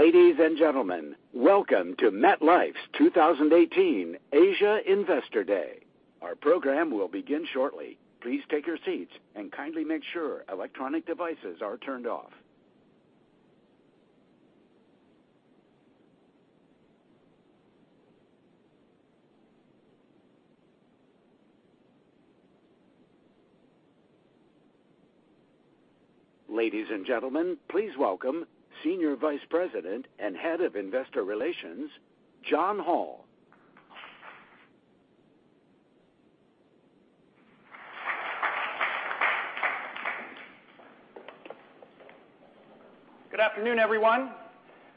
Ladies and gentlemen, welcome to MetLife's 2018 Asia Investor Day. Our program will begin shortly. Please take your seats and kindly make sure electronic devices are turned off. Ladies and gentlemen, please welcome Senior Vice President and Head of Investor Relations, John Hele. Good afternoon, everyone.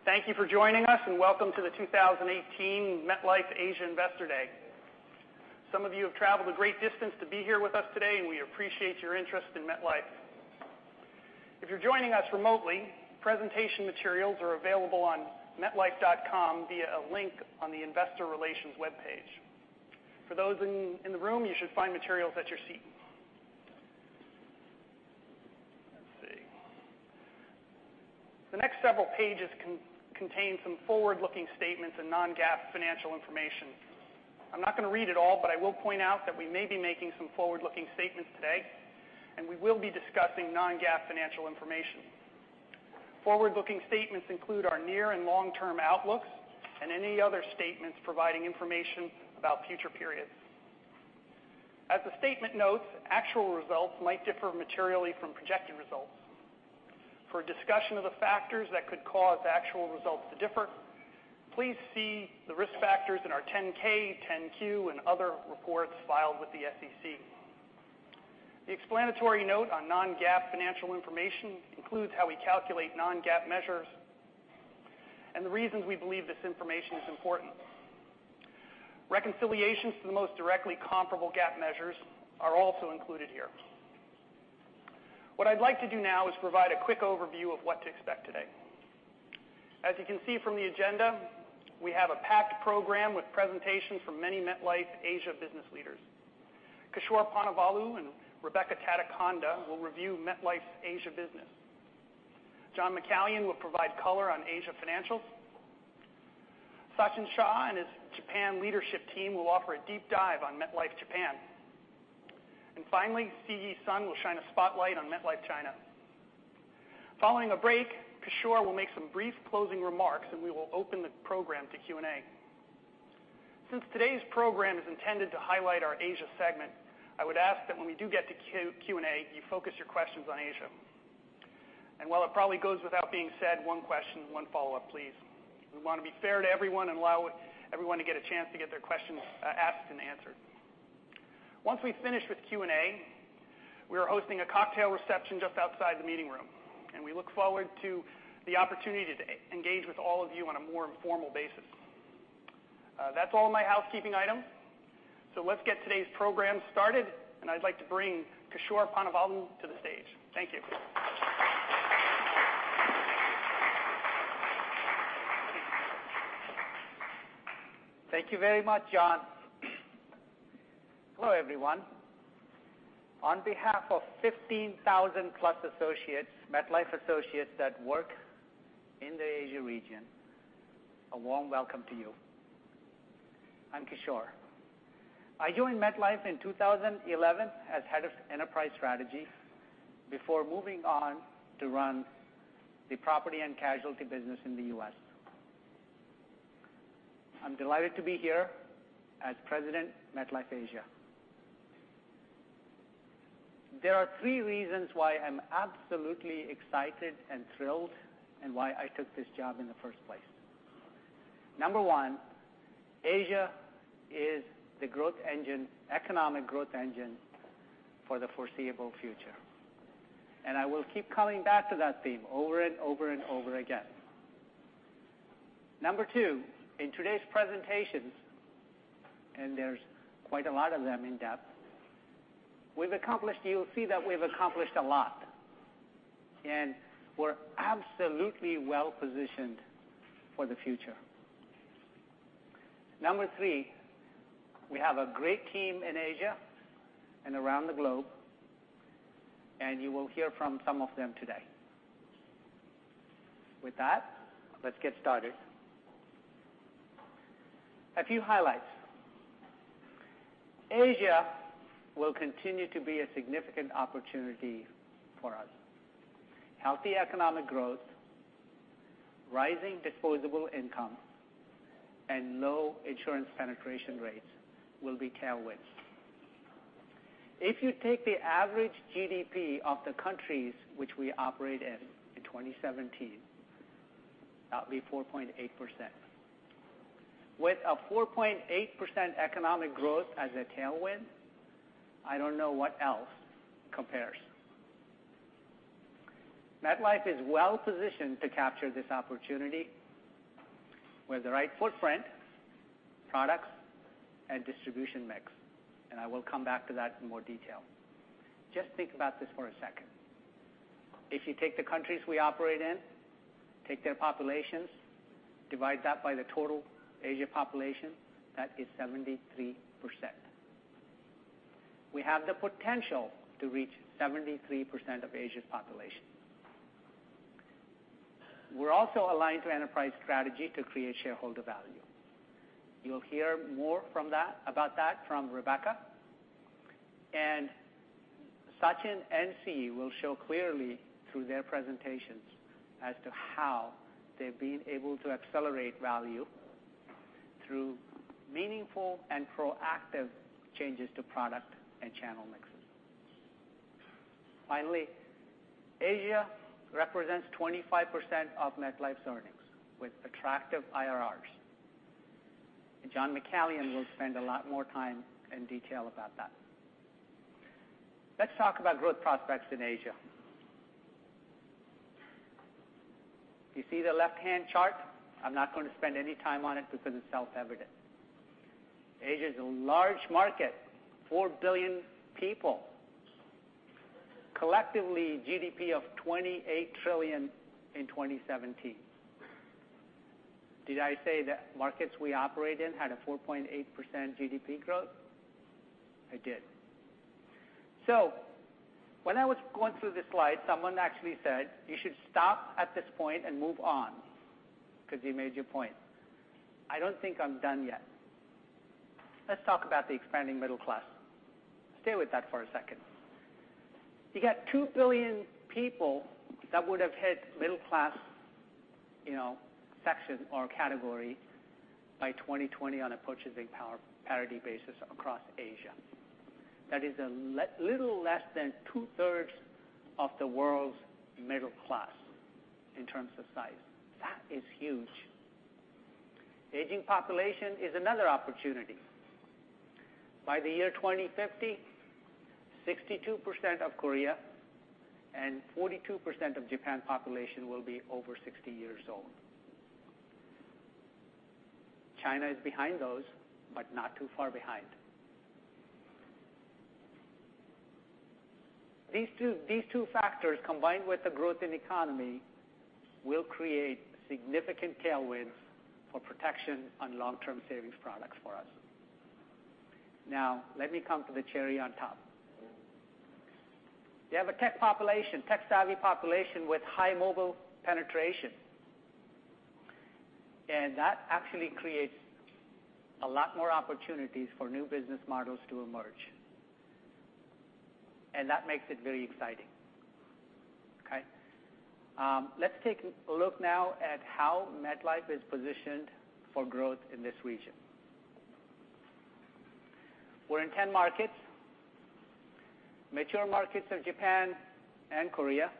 Thank you for joining us and welcome to the 2018 MetLife Asia Investor Day. Some of you have traveled a great distance to be here with us today, and we appreciate your interest in MetLife. If you're joining us remotely, presentation materials are available on metlife.com via a link on the investor relations webpage. For those in the room, you should find materials at your seat. Let's see. The next several pages contain some forward-looking statements and non-GAAP financial information. I'm not going to read it all, but I will point out that we may be making some forward-looking statements today, and we will be discussing non-GAAP financial information. Forward-looking statements include our near and long-term outlooks and any other statements providing information about future periods. As the statement notes, actual results might differ materially from projected results. For a discussion of the factors that could cause actual results to differ, please see the risk factors in our 10-K, 10-Q, and other reports filed with the SEC. The explanatory note on non-GAAP financial information includes how we calculate non-GAAP measures and the reasons we believe this information is important. Reconciliations to the most directly comparable GAAP measures are also included here. What I'd like to do now is provide a quick overview of what to expect today. As you can see from the agenda, we have a packed program with presentations from many MetLife Asia business leaders. Kishore Ponnavolu and Rebecca Tadikonda will review MetLife's Asia business. John McCallion will provide color on Asia financials. Sachin Shah and his Japan leadership team will offer a deep dive on MetLife Japan. Finally, Siyi Sun will shine a spotlight on MetLife China. Following a break, Kishore will make some brief closing remarks, and we will open the program to Q&A. Since today's program is intended to highlight our Asia segment, I would ask that when we do get to Q&A, you focus your questions on Asia. While it probably goes without being said, one question, one follow-up, please. We want to be fair to everyone and allow everyone to get a chance to get their questions asked and answered. Once we finish with Q&A, we are hosting a cocktail reception just outside the meeting room, and we look forward to the opportunity to engage with all of you on a more informal basis. That's all my housekeeping items. Let's get today's program started, and I'd like to bring Kishore Ponnavolu to the stage. Thank you. Thank you very much, John. Hello, everyone. On behalf of 15,000-plus MetLife associates that work in the Asia region, a warm welcome to you. I'm Kishore. I joined MetLife in 2011 as head of enterprise strategy before moving on to run the property and casualty business in the U.S. I'm delighted to be here as President, MetLife Asia. There are three reasons why I'm absolutely excited and thrilled, and why I took this job in the first place. Number one, Asia is the economic growth engine for the foreseeable future. I will keep coming back to that theme over and over and over again. Number two, in today's presentations, and there's quite a lot of them in depth, you'll see that we've accomplished a lot, and we're absolutely well-positioned for the future. Number three, we have a great team in Asia and around the globe. You will hear from some of them today. With that, let's get started. A few highlights. Asia will continue to be a significant opportunity for us. Healthy economic growth, rising disposable income, and low insurance penetration rates will be tailwinds. If you take the average GDP of the countries which we operate in in 2017, that will be 4.8%. With a 4.8% economic growth as a tailwind, I don't know what else compares. MetLife is well-positioned to capture this opportunity with the right footprint, products, and distribution mix. I will come back to that in more detail. Just think about this for a second. If you take the countries we operate in, take their populations, divide that by the total Asia population, that is 73%. We have the potential to reach 73% of Asia's population. We're also aligned to enterprise strategy to create shareholder value. You'll hear more about that from Rebecca. Sachin and Siyi will show clearly through their presentations as to how they've been able to accelerate value through meaningful and proactive changes to product and channel mixes. Finally, Asia represents 25% of MetLife's earnings with attractive IRRs. John McCallion will spend a lot more time in detail about that. Let's talk about growth prospects in Asia. Do you see the left-hand chart? I'm not going to spend any time on it because it's self-evident. Asia is a large market, 4 billion people. Collectively, GDP of $28 trillion in 2017. Did I say that markets we operate in had a 4.8% GDP growth? I did. When I was going through the slide, someone actually said, "You should stop at this point and move on, because you made your point." I don't think I'm done yet. Let's talk about the expanding middle class. Stay with that for a second. You got 2 billion people that would have hit middle class section or category by 2020 on a purchasing parity basis across Asia. That is a little less than two-thirds of the world's middle class in terms of size. That is huge. Aging population is another opportunity. By the year 2050, 62% of Korea and 42% of Japan population will be over 60 years old. China is behind those, but not too far behind. These two factors, combined with the growth in economy, will create significant tailwinds for protection on long-term savings products for us. Let me come to the cherry on top. You have a tech-savvy population with high mobile penetration, and that actually creates a lot more opportunities for new business models to emerge, and that makes it very exciting. Okay. Let's take a look now at how MetLife is positioned for growth in this region. We're in 10 markets, mature markets of Japan and Korea,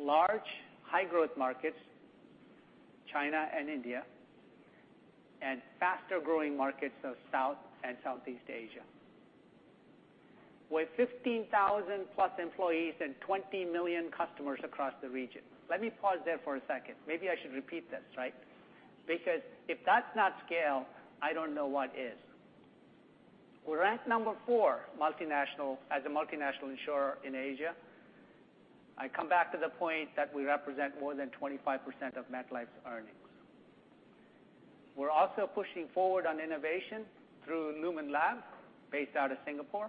large, high-growth markets, China and India, and faster-growing markets of South and Southeast Asia, with 15,000+ employees and 20 million customers across the region. Let me pause there for a second. Maybe I should repeat this, right? Because if that's not scale, I don't know what is. We're ranked number 4 as a multinational insurer in Asia. I come back to the point that we represent more than 25% of MetLife's earnings. We're also pushing forward on innovation through LumenLab, based out of Singapore.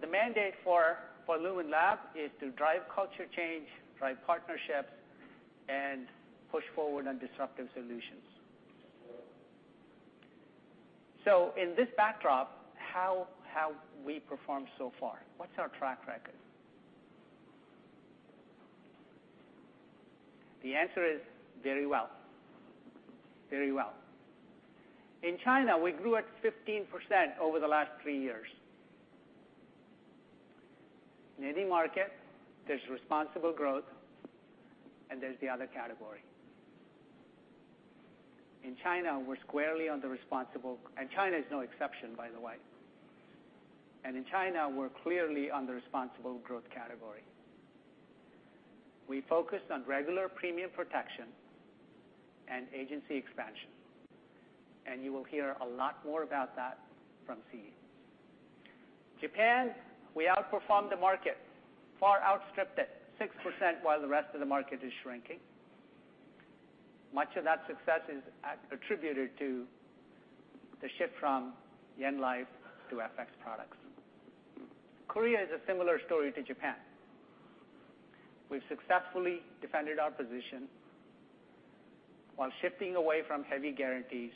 The mandate for LumenLab is to drive culture change, drive partnerships, and push forward on disruptive solutions. So in this backdrop, how have we performed so far? What's our track record? The answer is very well. In China, we grew at 15% over the last three years. In any market, there's responsible growth, and there's the other category. And China is no exception, by the way. And in China, we're clearly on the responsible growth category. We focused on regular premium protection and agency expansion, and you will hear a lot more about that from Siyi. Japan, we outperformed the market, far outstripped it, 6%, while the rest of the market is shrinking. Much of that success is attributed to the shift from yen life to FX products. Korea is a similar story to Japan. We've successfully defended our position while shifting away from heavy guarantees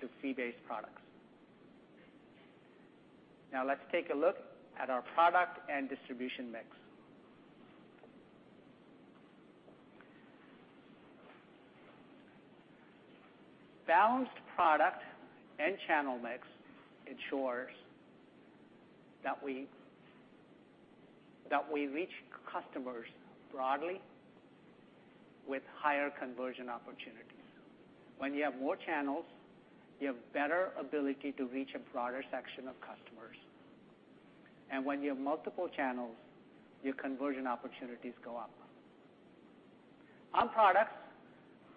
to fee-based products. Now let's take a look at our product and distribution mix. Balanced product and channel mix ensures that we reach customers broadly with higher conversion opportunities. When you have more channels, you have better ability to reach a broader section of customers. And when you have multiple channels, your conversion opportunities go up. On products,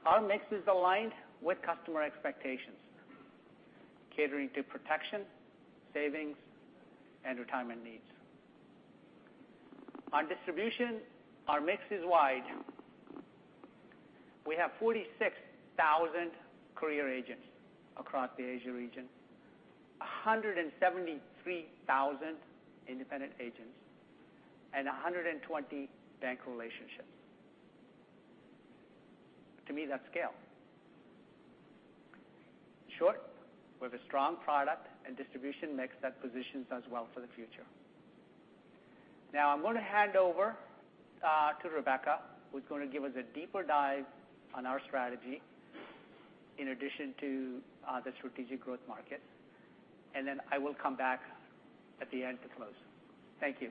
our mix is aligned with customer expectations, catering to protection, savings, and retirement needs. Our distribution, our mix is wide. We have 46,000 career agents across the Asia region, 173,000 independent agents, and 120 bank relationships. To me, that's scale. In short, we have a strong product and distribution mix that positions us well for the future. Now, I'm going to hand over to Rebecca, who's going to give us a deeper dive on our strategy in addition to the strategic growth market, and then I will come back at the end to close. Thank you.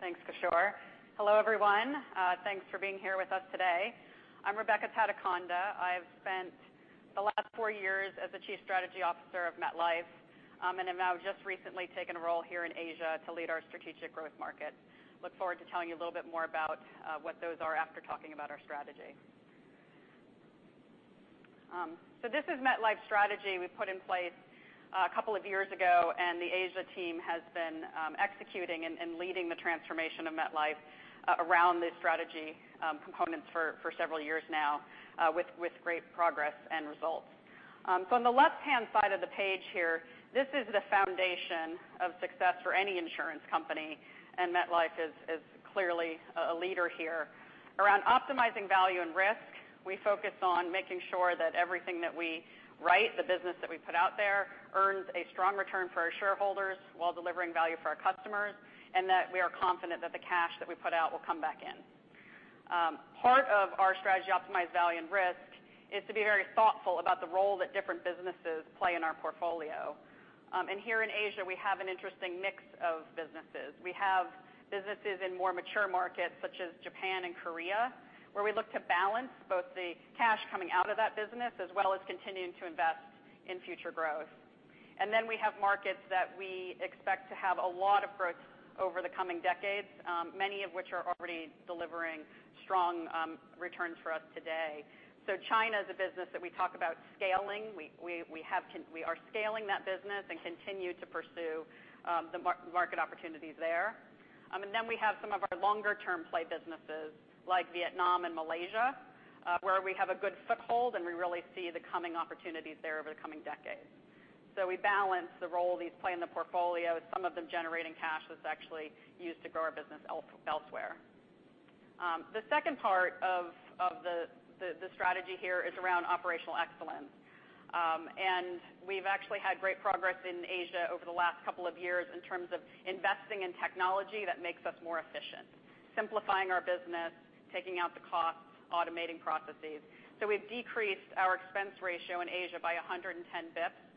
Thanks, Kishore. Hello, everyone. Thanks for being here with us today. I'm Rebecca Tadikonda. I've spent the last four years as the Chief Strategy Officer of MetLife, and have now just recently taken a role here in Asia to lead our strategic growth market. Look forward to telling you a little bit more about what those are after talking about our strategy. This is MetLife's strategy we put in place a couple of years ago, and the Asia team has been executing and leading the transformation of MetLife around these strategy components for several years now, with great progress and results. On the left-hand side of the page here, this is the foundation of success for any insurance company, and MetLife is clearly a leader here. Around optimizing value and risk, we focus on making sure that everything that we write, the business that we put out there, earns a strong return for our shareholders while delivering value for our customers, and that we are confident that the cash that we put out will come back in. Part of our strategy to optimize value and risk is to be very thoughtful about the role that different businesses play in our portfolio. Here in Asia, we have an interesting mix of businesses. We have businesses in more mature markets such as Japan and Korea, where we look to balance both the cash coming out of that business as well as continuing to invest in future growth. Then we have markets that we expect to have a lot of growth over the coming decades, many of which are already delivering strong returns for us today. China is a business that we talk about scaling. We are scaling that business and continue to pursue the market opportunities there. Then we have some of our longer-term play businesses, like Vietnam and Malaysia, where we have a good foothold, and we really see the coming opportunities there over the coming decades. We balance the role these play in the portfolio, some of them generating cash that's actually used to grow our business elsewhere. The second part of the strategy here is around operational excellence. We've actually had great progress in Asia over the last couple of years in terms of investing in technology that makes us more efficient, simplifying our business, taking out the costs, automating processes. We've decreased our expense ratio in Asia by 110 basis points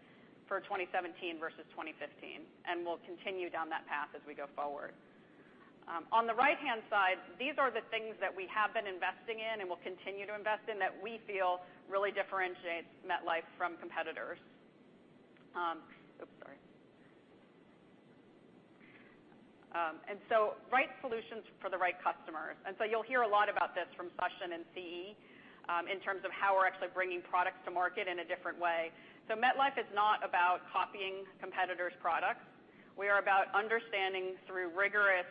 for 2017 versus 2015, and we'll continue down that path as we go forward. On the right-hand side, these are the things that we have been investing in and will continue to invest in that we feel really differentiates MetLife from competitors. Oops, sorry. Right solutions for the right customers. You'll hear a lot about this from Sachin and Siyi in terms of how we're actually bringing products to market in a different way. MetLife is not about copying competitors' products. We are about understanding through rigorous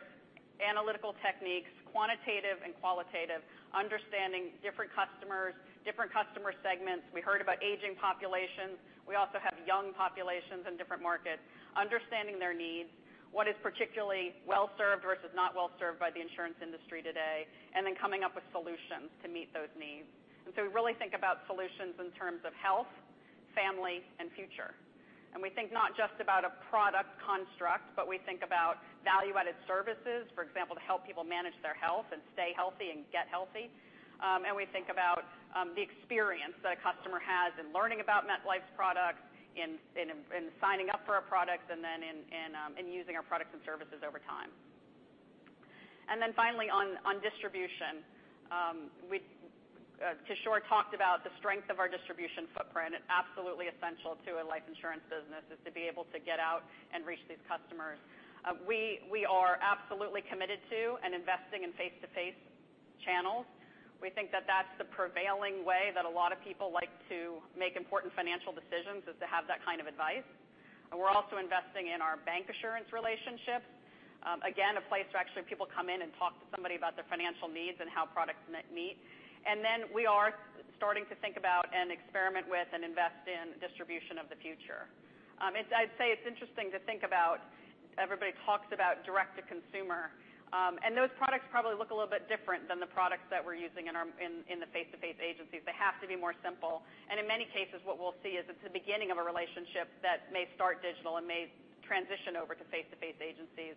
analytical techniques, quantitative and qualitative, understanding different customers, different customer segments. We heard about aging populations. We also have young populations in different markets, understanding their needs, what is particularly well-served versus not well-served by the insurance industry today, and then coming up with solutions to meet those needs. We really think about solutions in terms of health, family, and future. We think not just about a product construct, but we think about value-added services, for example, to help people manage their health and stay healthy and get healthy. We think about the experience that a customer has in learning about MetLife's products, in signing up for our products, and then in using our products and services over time. Finally, on distribution, Kishore talked about the strength of our distribution footprint. It's absolutely essential to a life insurance business, is to be able to get out and reach these customers. We are absolutely committed to and investing in face-to-face channels. We think that that's the prevailing way that a lot of people like to make important financial decisions, is to have that kind of advice. We're also investing in our bancassurance relationships. Again, a place where actually people come in and talk to somebody about their financial needs and how products meet. We are starting to think about and experiment with and invest in distribution of the future. I'd say it's interesting to think about, everybody talks about direct to consumer, and those products probably look a little bit different than the products that we're using in the face-to-face agencies. They have to be more simple, and in many cases, what we'll see is it's the beginning of a relationship that may start digital and may transition over to face-to-face agencies,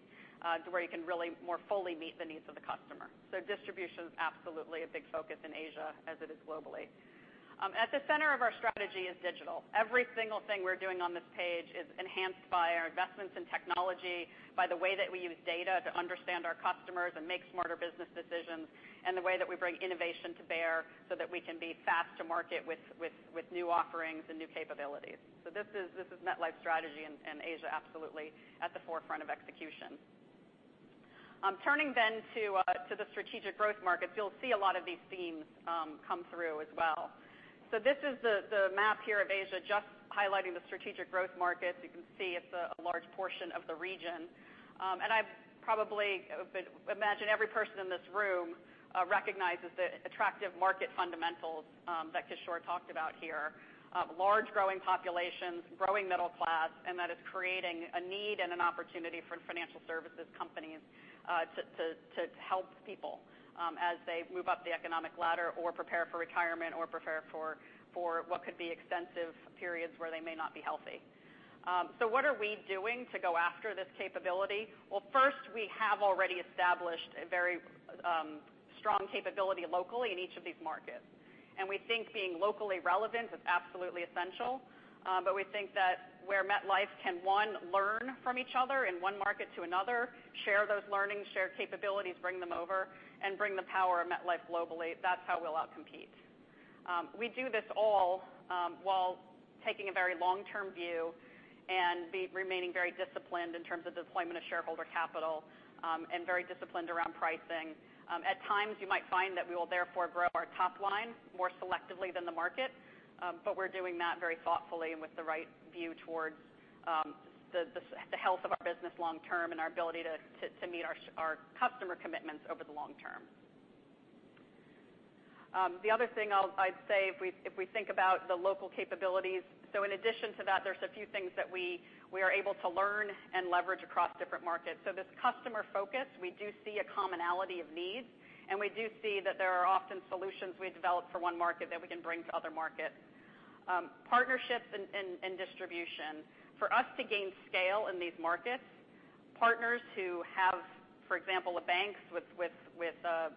to where you can really more fully meet the needs of the customer. Distribution is absolutely a big focus in Asia as it is globally. At the center of our strategy is digital. Every single thing we're doing on this page is enhanced by our investments in technology, by the way that we use data to understand our customers and make smarter business decisions, and the way that we bring innovation to bear so that we can be fast to market with new offerings and new capabilities. This is MetLife strategy in Asia, absolutely at the forefront of execution. Turning to the strategic growth markets, you'll see a lot of these themes come through as well. This is the map here of Asia, just highlighting the strategic growth markets. You can see it's a large portion of the region. I probably imagine every person in this room recognizes the attractive market fundamentals that Kishore talked about here. Large growing populations, growing middle class, that is creating a need and an opportunity for financial services companies to help people as they move up the economic ladder or prepare for retirement, or prepare for what could be extensive periods where they may not be healthy. What are we doing to go after this capability? Well, first, we have already established a very strong capability locally in each of these markets. We think being locally relevant is absolutely essential, but we think that where MetLife can, one, learn from each other in one market to another, share those learnings, share capabilities, bring them over, and bring the power of MetLife globally, that's how we'll outcompete. We do this all while taking a very long-term view and remaining very disciplined in terms of deployment of shareholder capital and very disciplined around pricing. At times, you might find that we will therefore grow our top line more selectively than the market. We're doing that very thoughtfully and with the right view towards the health of our business long term and our ability to meet our customer commitments over the long term. The other thing I'd say, if we think about the local capabilities, in addition to that, there's a few things that we are able to learn and leverage across different markets. This customer focus, we do see a commonality of needs, and we do see that there are often solutions we develop for one market that we can bring to other markets. Partnerships and distribution. For us to gain scale in these markets, partners who have, for example, banks with a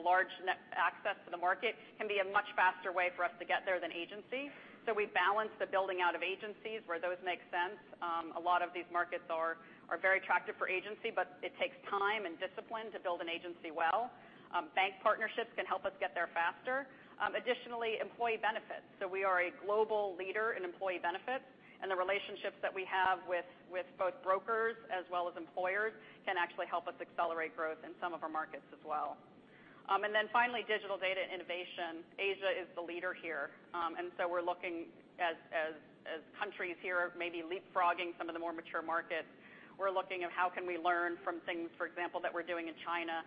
large net access to the market, can be a much faster way for us to get there than agency. We balance the building out of agencies where those make sense. A lot of these markets are very attractive for agency, it takes time and discipline to build an agency well. Bank partnerships can help us get there faster. Additionally, employee benefits. We are a global leader in employee benefits, and the relationships that we have with both brokers as well as employers can actually help us accelerate growth in some of our markets as well. Then finally, digital data innovation. Asia is the leader here. We're looking as countries here are maybe leapfrogging some of the more mature markets, we're looking at how can we learn from things, for example, that we're doing in China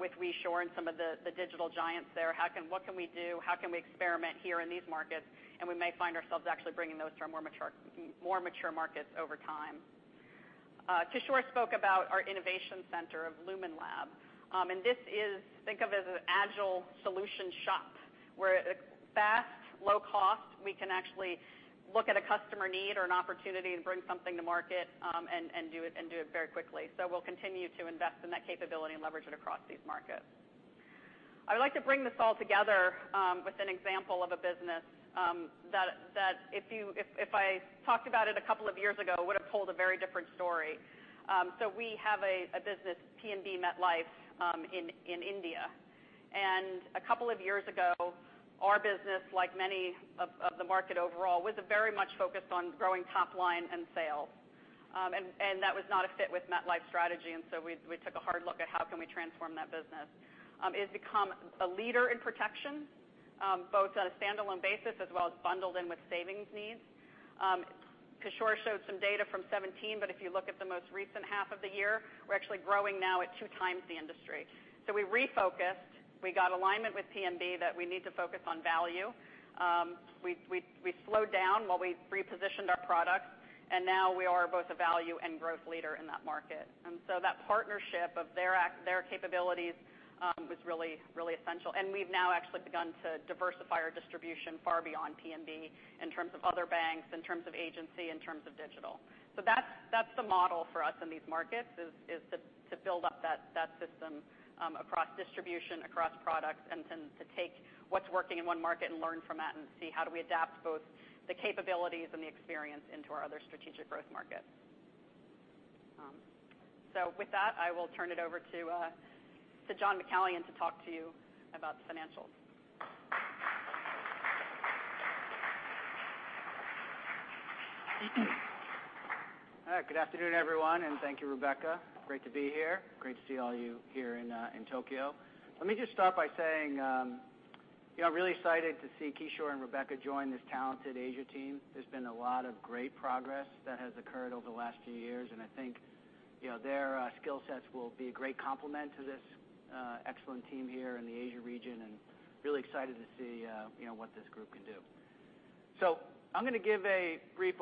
with WeSure and some of the digital giants there. What can we do? How can we experiment here in these markets? We may find ourselves actually bringing those to our more mature markets over time. Kishore spoke about our innovation center of LumenLab. This is, think of it as an agile solution shop, where at fast, low cost, we can actually look at a customer need or an opportunity and bring something to market, and do it very quickly. We'll continue to invest in that capability and leverage it across these markets. I would like to bring this all together with an example of a business that if I talked about it a couple of years ago, would've told a very different story. We have a business, PNB MetLife, in India. A couple of years ago, our business, like many of the market overall, was very much focused on growing top line and sales. That was not a fit with MetLife strategy, we took a hard look at how can we transform that business. It has become a leader in protection, both on a standalone basis as well as bundled in with savings needs. Kishore showed some data from 2017, if you look at the most recent half of the year, we're actually growing now at two times the industry. We refocused, we got alignment with PNB that we need to focus on value. We slowed down while we repositioned our products, and now we are both a value and growth leader in that market. That partnership of their capabilities was really essential. We've now actually begun to diversify our distribution far beyond PNB in terms of other banks, in terms of agency, in terms of digital. That's the model for us in these markets, is to build up that system across distribution, across products, and then to take what's working in one market and learn from that and see how do we adapt both the capabilities and the experience into our other strategic growth markets. With that, I will turn it over to John McCallion to talk to you about the financials. Good afternoon, everyone, thank you, Rebecca. Great to be here. Great to see all you here in Tokyo. Let me just start by saying I'm really excited to see Kishore and Rebecca join this talented Asia team. There's been a lot of great progress that has occurred over the last few years, and I think their skill sets will be a great complement to this excellent team here in the Asia region, and really excited to see what this group can do. I'm going to give a brief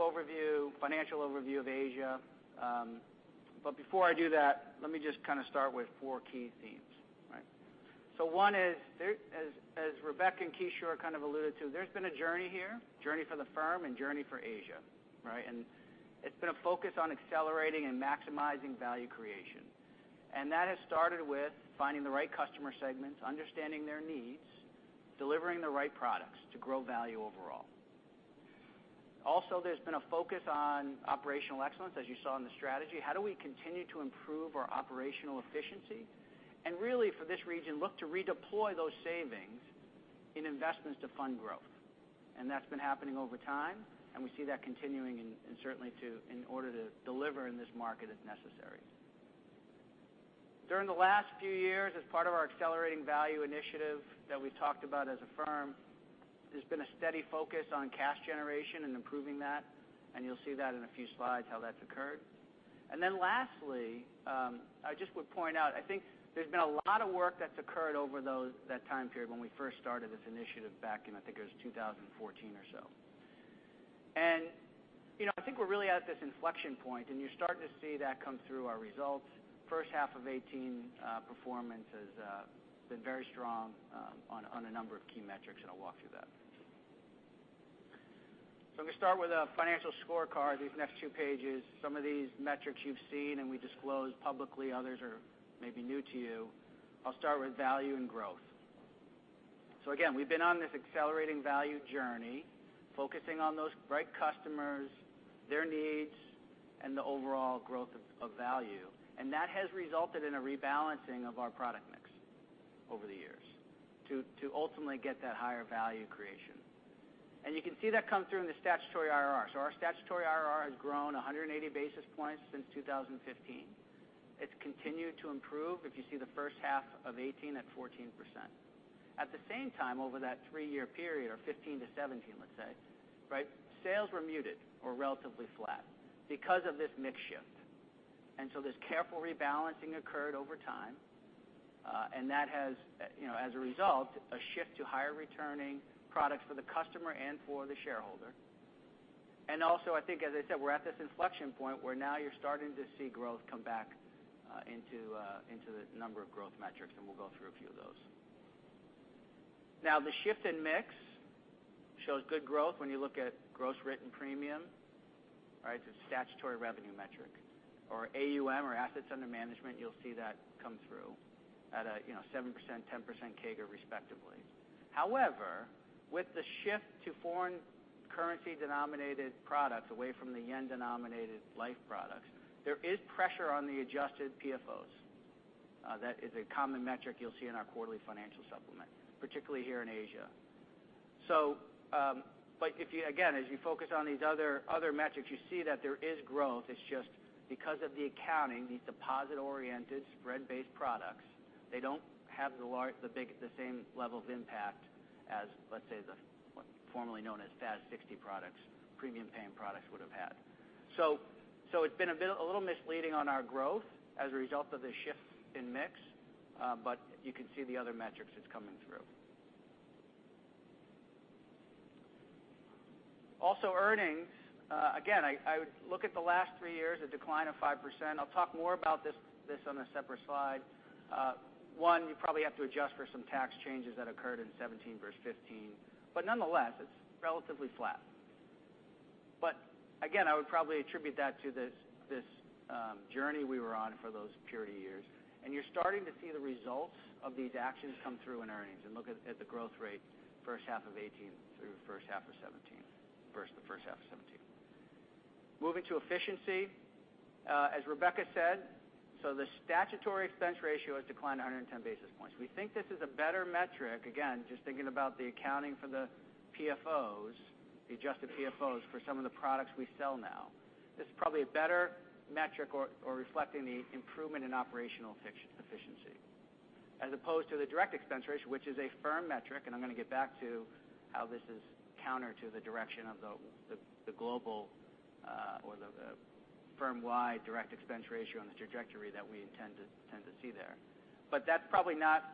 financial overview of Asia. Before I do that, let me just kind of start with four key themes. One is, as Rebecca and Kishore kind of alluded to, there's been a journey here, journey for the firm and journey for Asia, right? It's been a focus on accelerating and maximizing value creation. That has started with finding the right customer segments, understanding their needs, delivering the right products to grow value overall. Also, there's been a focus on operational excellence, as you saw in the strategy. How do we continue to improve our operational efficiency, really for this region, look to redeploy those savings in investments to fund growth? That's been happening over time, and we see that continuing, and certainly in order to deliver in this market, it's necessary. During the last few years, as part of our accelerating value initiative that we talked about as a firm, there's been a steady focus on cash generation and improving that, and you'll see that in a few slides how that's occurred. Lastly, I just would point out, I think there's been a lot of work that's occurred over that time period when we first started this initiative back in, I think it was 2014 or so. I think we're really at this inflection point, and you're starting to see that come through our results. First half of 2018 performance has been very strong on a number of key metrics, and I'll walk through that. I'm going to start with a financial scorecard, these next two pages. Some of these metrics you've seen and we disclose publicly, others are maybe new to you. I'll start with value and growth. Again, we've been on this accelerating value journey, focusing on those right customers, their needs, and the overall growth of value. That has resulted in a rebalancing of our product mix over the years to ultimately get that higher value creation. You can see that come through in the statutory IRR. Our statutory IRR has grown 180 basis points since 2015. It has continued to improve. If you see the first half of 2018, at 14%. At the same time, over that three-year period, or 2015 to 2017, let us say, sales were muted or relatively flat because of this mix shift. This careful rebalancing occurred over time, and that has, as a result, a shift to higher returning products for the customer and for the shareholder. Also, I think, as I said, we are at this inflection point where now you are starting to see growth come back into the number of growth metrics, and we will go through a few of those. The shift in mix shows good growth when you look at gross written premium. Statutory revenue metric or AUM or assets under management, you will see that come through at a 7%, 10% CAGR, respectively. However, with the shift to foreign currency-denominated products away from the JPY-denominated life products, there is pressure on the adjusted PFOs. That is a common metric you will see in our quarterly financial supplement, particularly here in Asia. Again, as you focus on these other metrics, you see that there is growth. It is just because of the accounting, these deposit-oriented, spread-based products, they do not have the same level of impact as, let us say, the formerly known as FAS 60 products, premium paying products would have had. It has been a little misleading on our growth as a result of the shift in mix, but you can see the other metrics it is coming through. Also earnings, again, I would look at the last three years, a decline of 5%. I will talk more about this on a separate slide. One, you probably have to adjust for some tax changes that occurred in 2017 versus 2015, nonetheless, it is relatively flat. Again, I would probably attribute that to this journey we were on for those prior years. You are starting to see the results of these actions come through in earnings, and look at the growth rate first half of 2018 through the first half of 2017. Moving to efficiency, as Rebecca said, the statutory expense ratio has declined 110 basis points. We think this is a better metric, again, just thinking about the accounting for the PFOs, the adjusted PFOs for some of the products we sell now. This is probably a better metric or reflecting the improvement in operational efficiency as opposed to the direct expense ratio, which is a firm metric, and I am going to get back to how this is counter to the direction of the global or the firm-wide direct expense ratio and the trajectory that we intend to see there. That is probably not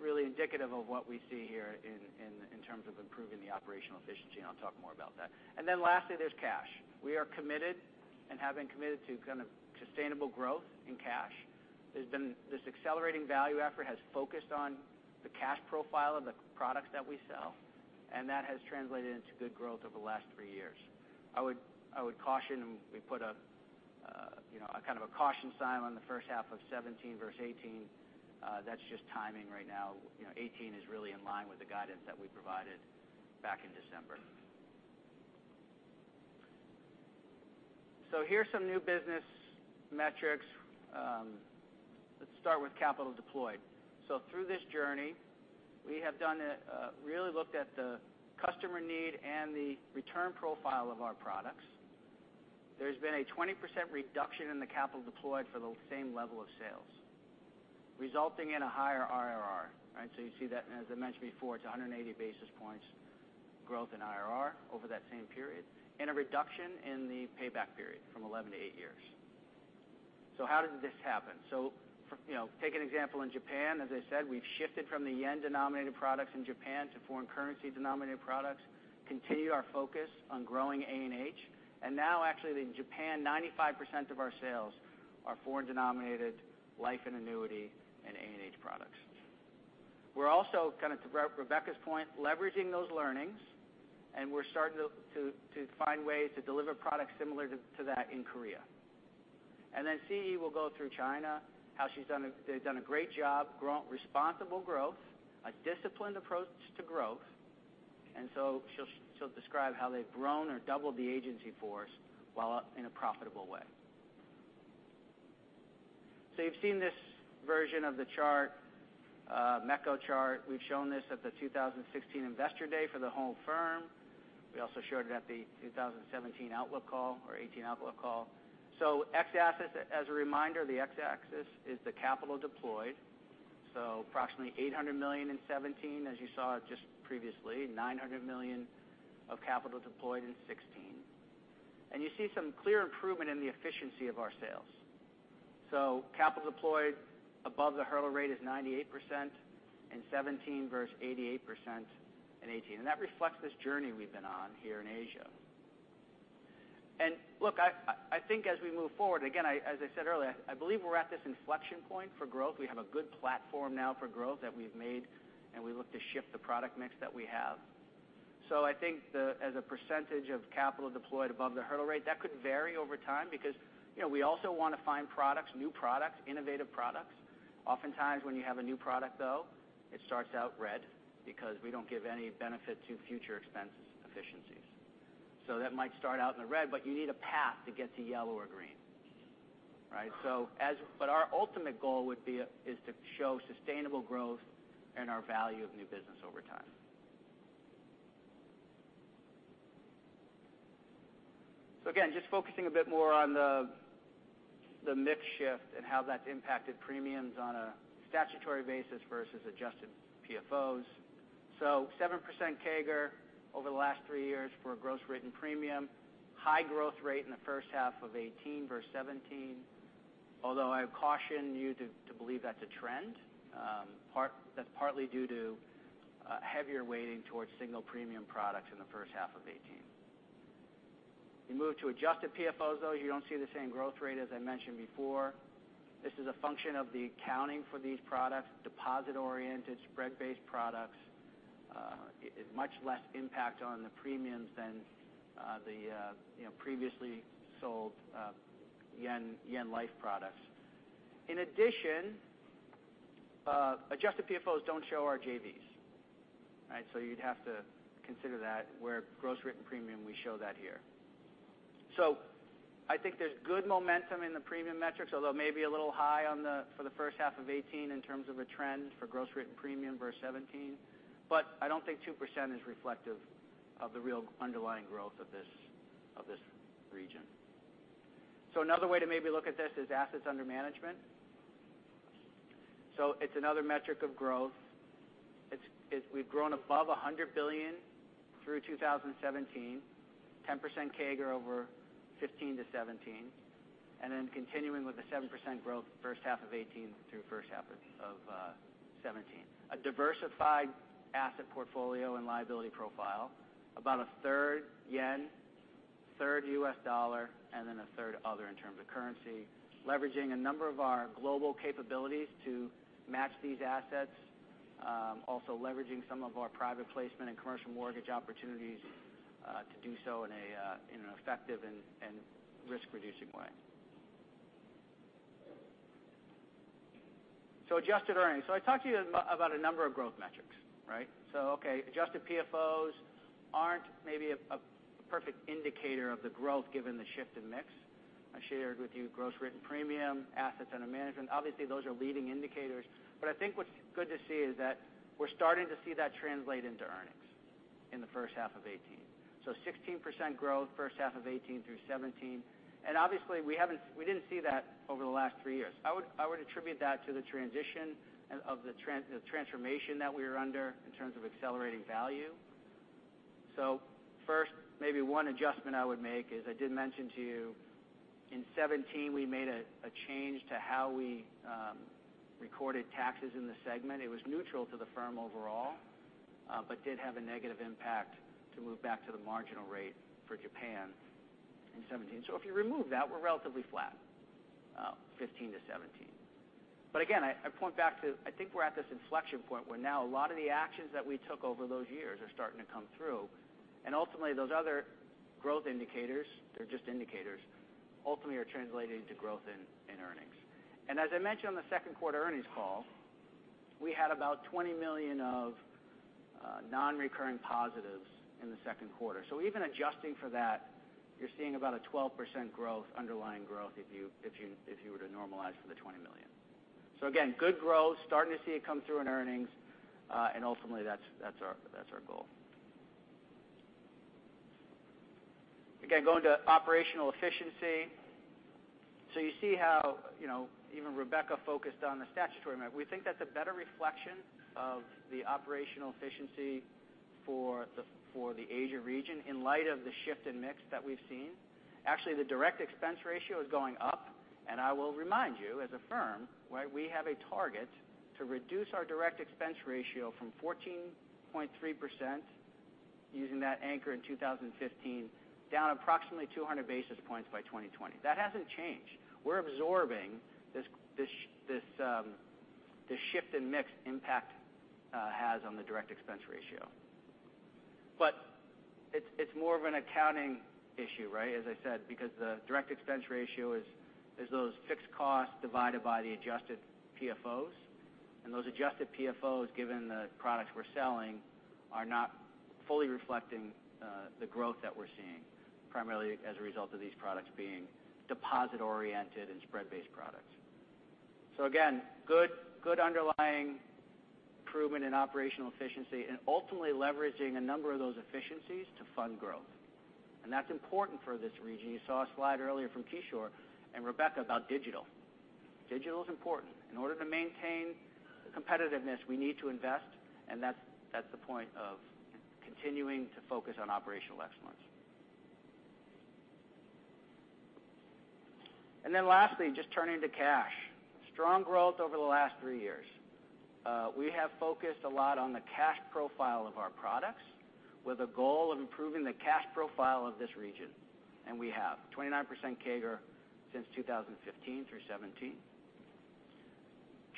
really indicative of what we see here in terms of improving the operational efficiency, and I will talk more about that. Lastly, there is cash. We are committed and have been committed to kind of sustainable growth in cash. This accelerating value effort has focused on the cash profile of the products that we sell, and that has translated into good growth over the last three years. I would caution, we put a kind of a caution sign on the first half of 2017 versus 2018. That's just timing right now. 2018 is really in line with the guidance that we provided back in December. Here's some new business metrics. Let's start with capital deployed. Through this journey, we have really looked at the customer need and the return profile of our products. There's been a 20% reduction in the capital deployed for the same level of sales, resulting in a higher IRR. You see that, as I mentioned before, it's 180 basis points growth in IRR over that same period and a reduction in the payback period from 11 to eight years. How does this happen? Take an example in Japan, as I said, we've shifted from the yen-denominated products in Japan to foreign currency-denominated products, continued our focus on growing A&H, and now actually in Japan, 95% of our sales are foreign-denominated life and annuity and A&H products. We're also, kind of to Rebecca's point, leveraging those learnings, and we're starting to find ways to deliver products similar to that in Korea. Siyi Sun will go through China, how they've done a great job, responsible growth, a disciplined approach to growth, she'll describe how they've grown or doubled the agency force while in a profitable way. You've seen this version of the chart, Mekko chart. We've shown this at the 2016 Investor Day for the whole firm. We also showed it at the 2017 outlook call or 2018 outlook call. X-axis, as a reminder, the x-axis is the capital deployed. Approximately $800 million in 2017, as you saw just previously, $900 million of capital deployed in 2016. You see some clear improvement in the efficiency of our sales. Capital deployed above the hurdle rate is 98% in 2017 versus 88% in 2018. That reflects this journey we've been on here in Asia. Look, I think as we move forward, again, as I said earlier, I believe we're at this inflection point for growth. We have a good platform now for growth that we've made, and we look to shift the product mix that we have. I think as a percentage of capital deployed above the hurdle rate, that could vary over time because we also want to find products, new products, innovative products. Oftentimes, when you have a new product, though, it starts out red because we don't give any benefit to future expense efficiencies. That might start out in the red, but you need a path to get to yellow or green. Right? Our ultimate goal is to show sustainable growth and our value of new business over time. Again, just focusing a bit more on the mix shift and how that's impacted premiums on a statutory basis versus adjusted PFOs. 7% CAGR over the last three years for a gross written premium, high growth rate in the first half of 2018 versus 2017. Although I would caution you to believe that's a trend. That's partly due to heavier weighting towards single premium products in the first half of 2018. We move to adjusted PFOs, though, you don't see the same growth rate as I mentioned before. This is a function of the accounting for these products, deposit-oriented, spread-based products, much less impact on the premiums than the previously sold yen life products. In addition, adjusted PFOs don't show our JVs. Right? You'd have to consider that where gross written premium, we show that here. I think there's good momentum in the premium metrics, although maybe a little high for the first half of 2018 in terms of a trend for gross written premium versus 2017. I don't think 2% is reflective of the real underlying growth of this region. Another way to maybe look at this is assets under management. It's another metric of growth. We've grown above $100 billion through 2017, 10% CAGR over 2015 to 2017, and then continuing with the 7% growth first half of 2018 through first half of 2017. A diversified asset portfolio and liability profile, about a third JPY, third U.S. dollar, a third other in terms of currency, leveraging a number of our global capabilities to match these assets, also leveraging some of our private placement and commercial mortgage opportunities to do so in an effective and risk-reducing way. Adjusted earnings. I talked to you about a number of growth metrics, right? Okay, adjusted PFOs aren't maybe a perfect indicator of the growth given the shift in mix. I shared with you gross written premium, assets under management. Obviously, those are leading indicators. I think what's good to see is that we're starting to see that translate into earnings in the first half of 2018. 16% growth first half of 2018 through 2017. Obviously, we didn't see that over the last three years. I would attribute that to the transition of the transformation that we are under in terms of accelerating value. First, maybe one adjustment I would make is I did mention to you in 2017, we made a change to how we recorded taxes in the segment. It was neutral to the firm overall, but did have a negative impact to move back to the marginal rate for Japan in 2017. If you remove that, we're relatively flat, 2015 to 2017. Again, I point back to, I think we're at this inflection point where now a lot of the actions that we took over those years are starting to come through. Ultimately, those other growth indicators, they're just indicators, ultimately are translating to growth in earnings. As I mentioned on the second quarter earnings call, we had about $20 million of non-recurring positives in the second quarter. Even adjusting for that, you're seeing about a 12% growth, underlying growth, if you were to normalize for the $20 million. Again, good growth, starting to see it come through in earnings, and ultimately, that's our goal. Again, going to operational efficiency. You see how even Rebecca focused on the statutory mix. We think that's a better reflection of the operational efficiency for the Asia region in light of the shift in mix that we've seen. Actually, the direct expense ratio is going up, I will remind you as a firm, we have a target to reduce our direct expense ratio from 14.3% using that anchor in 2015, down approximately 200 basis points by 2020. That hasn't changed. We're absorbing this shift in mix impact has on the direct expense ratio. It's more of an accounting issue, right? As I said, because the direct expense ratio is those fixed costs divided by the adjusted PFOs. Those adjusted PFOs, given the products we're selling, are not fully reflecting the growth that we're seeing, primarily as a result of these products being deposit-oriented and spread-based products. Again, good underlying improvement in operational efficiency and ultimately leveraging a number of those efficiencies to fund growth. That's important for this region. You saw a slide earlier from Kishore and Rebecca about digital. Digital is important. In order to maintain competitiveness, we need to invest, and that's the point of continuing to focus on operational excellence. Lastly, just turning to cash. Strong growth over the last three years. We have focused a lot on the cash profile of our products with a goal of improving the cash profile of this region, and we have. 29% CAGR since 2015 through 2017,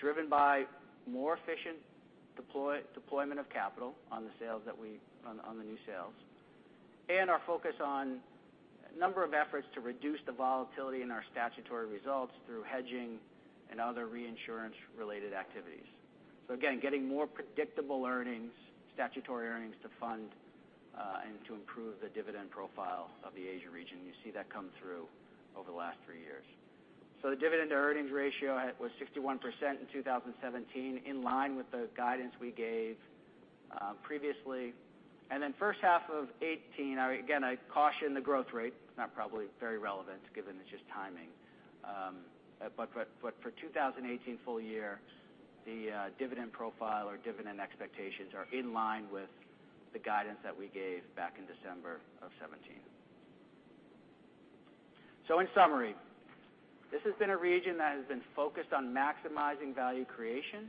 driven by more efficient deployment of capital on the new sales, and our focus on a number of efforts to reduce the volatility in our statutory results through hedging and other reinsurance-related activities. Again, getting more predictable earnings, statutory earnings to fund, and to improve the dividend profile of the Asia region. You see that come through over the last three years. The dividend to earnings ratio was 61% in 2017, in line with the guidance we gave previously. First half of 2018, again, I caution the growth rate, it's not probably very relevant given it's just timing. For 2018 full year, the dividend profile or dividend expectations are in line with the guidance that we gave back in December of 2017. In summary, this has been a region that has been focused on maximizing value creation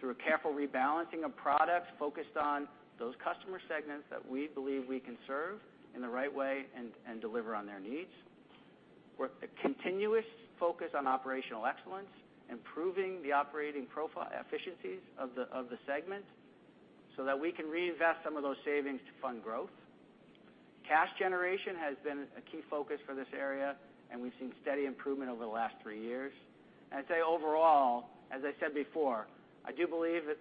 through a careful rebalancing of products focused on those customer segments that we believe we can serve in the right way and deliver on their needs. With a continuous focus on operational excellence, improving the operating efficiencies of the segment so that we can reinvest some of those savings to fund growth. Cash generation has been a key focus for this area, and we've seen steady improvement over the last three years. I'd say overall, as I said before, I do believe that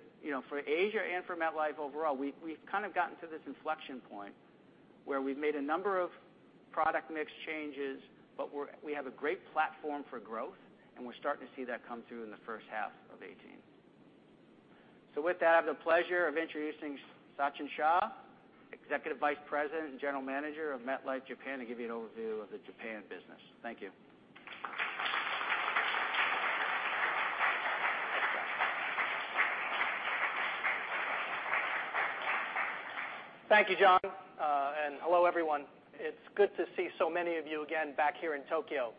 for Asia and for MetLife overall, we've kind of gotten to this inflection point where we've made a number of product mix changes, but we have a great platform for growth, and we're starting to see that come through in the first half of 2018. With that, I have the pleasure of introducing Sachin Shah, Executive Vice President and General Manager of MetLife Japan, to give you an overview of the Japan business. Thank you. Thank you, John, and hello, everyone. It is good to see so many of you again back here in Tokyo,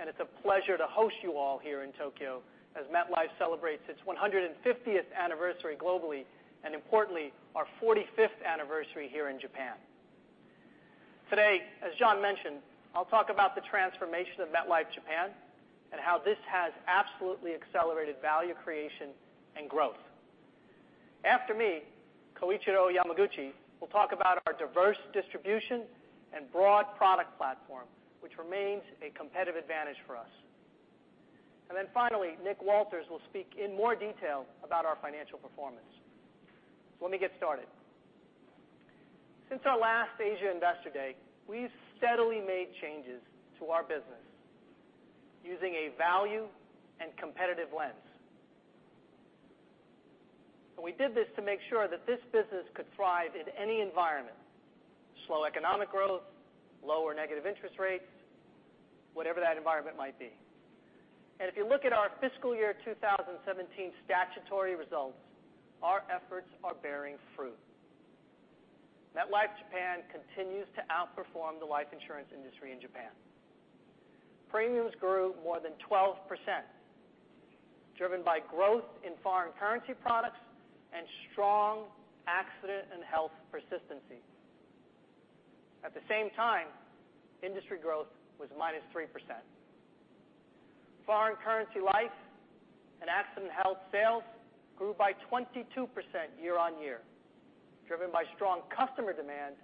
and it is a pleasure to host you all here in Tokyo as MetLife celebrates its 150th anniversary globally, and importantly, our 45th anniversary here in Japan. Today, as John mentioned, I will talk about the transformation of MetLife Japan and how this has absolutely accelerated value creation and growth. After me, Koichiro Yamaguchi will talk about our diverse distribution and broad product platform, which remains a competitive advantage for us. Finally, Nick Walters will speak in more detail about our financial performance. Let me get started. Since our last 2018 Asia Investor Day, we have steadily made changes to our business using a value and competitive lens. We did this to make sure that this business could thrive in any environment, slow economic growth, low or negative interest rates, whatever that environment might be. If you look at our fiscal year 2017 statutory results, our efforts are bearing fruit. MetLife Japan continues to outperform the life insurance industry in Japan. Premiums grew more than 12%, driven by growth in foreign currency products and strong A&H persistency. At the same time, industry growth was -3%. Foreign currency life and A&H sales grew by 22% year-on-year, driven by strong customer demand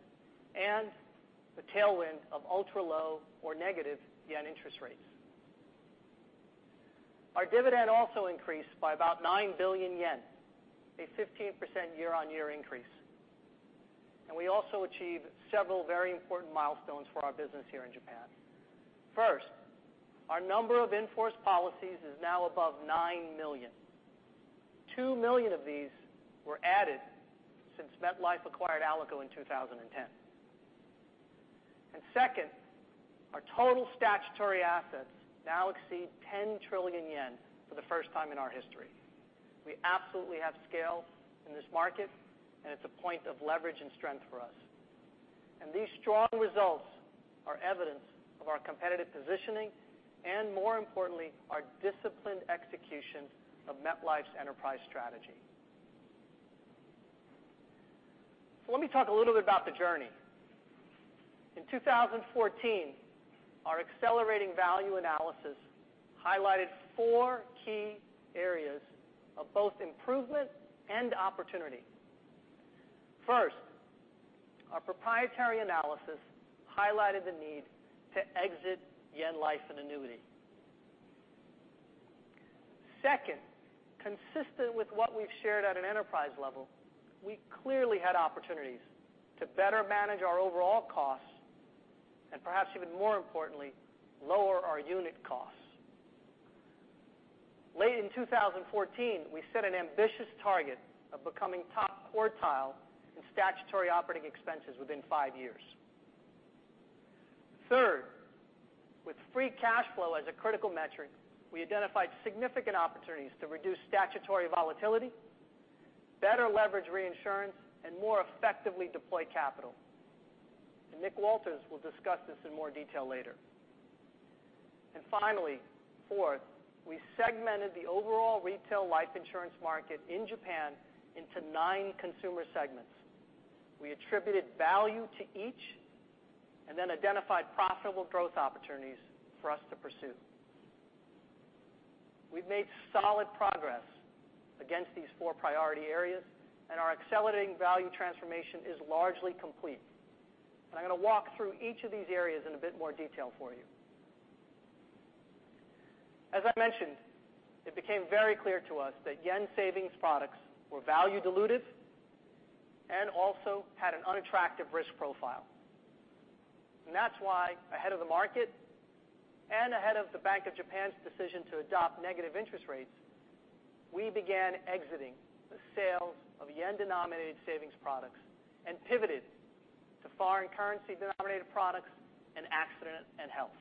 and the tailwind of ultra-low or negative JPY interest rates. Our dividend also increased by about 9 billion yen, a 15% year-on-year increase. We also achieved several very important milestones for our business here in Japan. First, our number of in-force policies is now above 9 million. 2 million of these were added since MetLife acquired Alico in 2010. Second, our total statutory assets now exceed 10 trillion yen for the first time in our history. We absolutely have scale in this market, and it is a point of leverage and strength for us. These strong results are evidence of our competitive positioning and, more importantly, our disciplined execution of MetLife's enterprise strategy. Let me talk a little bit about the journey. In 2014, our accelerating value analysis highlighted four key areas of both improvement and opportunity. First, our proprietary analysis highlighted the need to exit JPY life and annuity. Second, consistent with what we have shared at an enterprise level, we clearly had opportunities to better manage our overall costs, and perhaps even more importantly, lower our unit costs. Late in 2014, we set an ambitious target of becoming top quartile in statutory operating expenses within five years. Third, with free cash flow as a critical metric, we identified significant opportunities to reduce statutory volatility, better leverage reinsurance, and more effectively deploy capital. Nick Walters will discuss this in more detail later. Finally, fourth, we segmented the overall retail life insurance market in Japan into 9 consumer segments. We attributed value to each and identified profitable growth opportunities for us to pursue. We have made solid progress against these four priority areas, and our accelerating value transformation is largely complete. I am going to walk through each of these areas in a bit more detail for you. As I mentioned, it became very clear to us that JPY savings products were value diluted and also had an unattractive risk profile. That's why ahead of the market and ahead of the Bank of Japan's decision to adopt negative interest rates, we began exiting the sales of yen-denominated savings products and pivoted to foreign currency-denominated products and accident and health.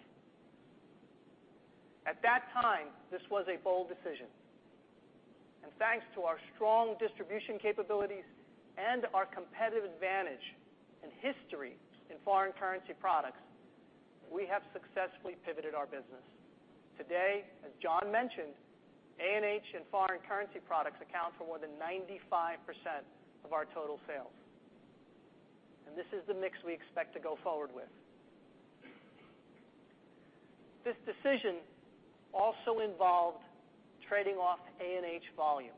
At that time, this was a bold decision. Thanks to our strong distribution capabilities and our competitive advantage and history in foreign currency products, we have successfully pivoted our business. Today, as John mentioned, A&H and foreign currency products account for more than 95% of our total sales. This is the mix we expect to go forward with. This decision also involved trading off A&H volume.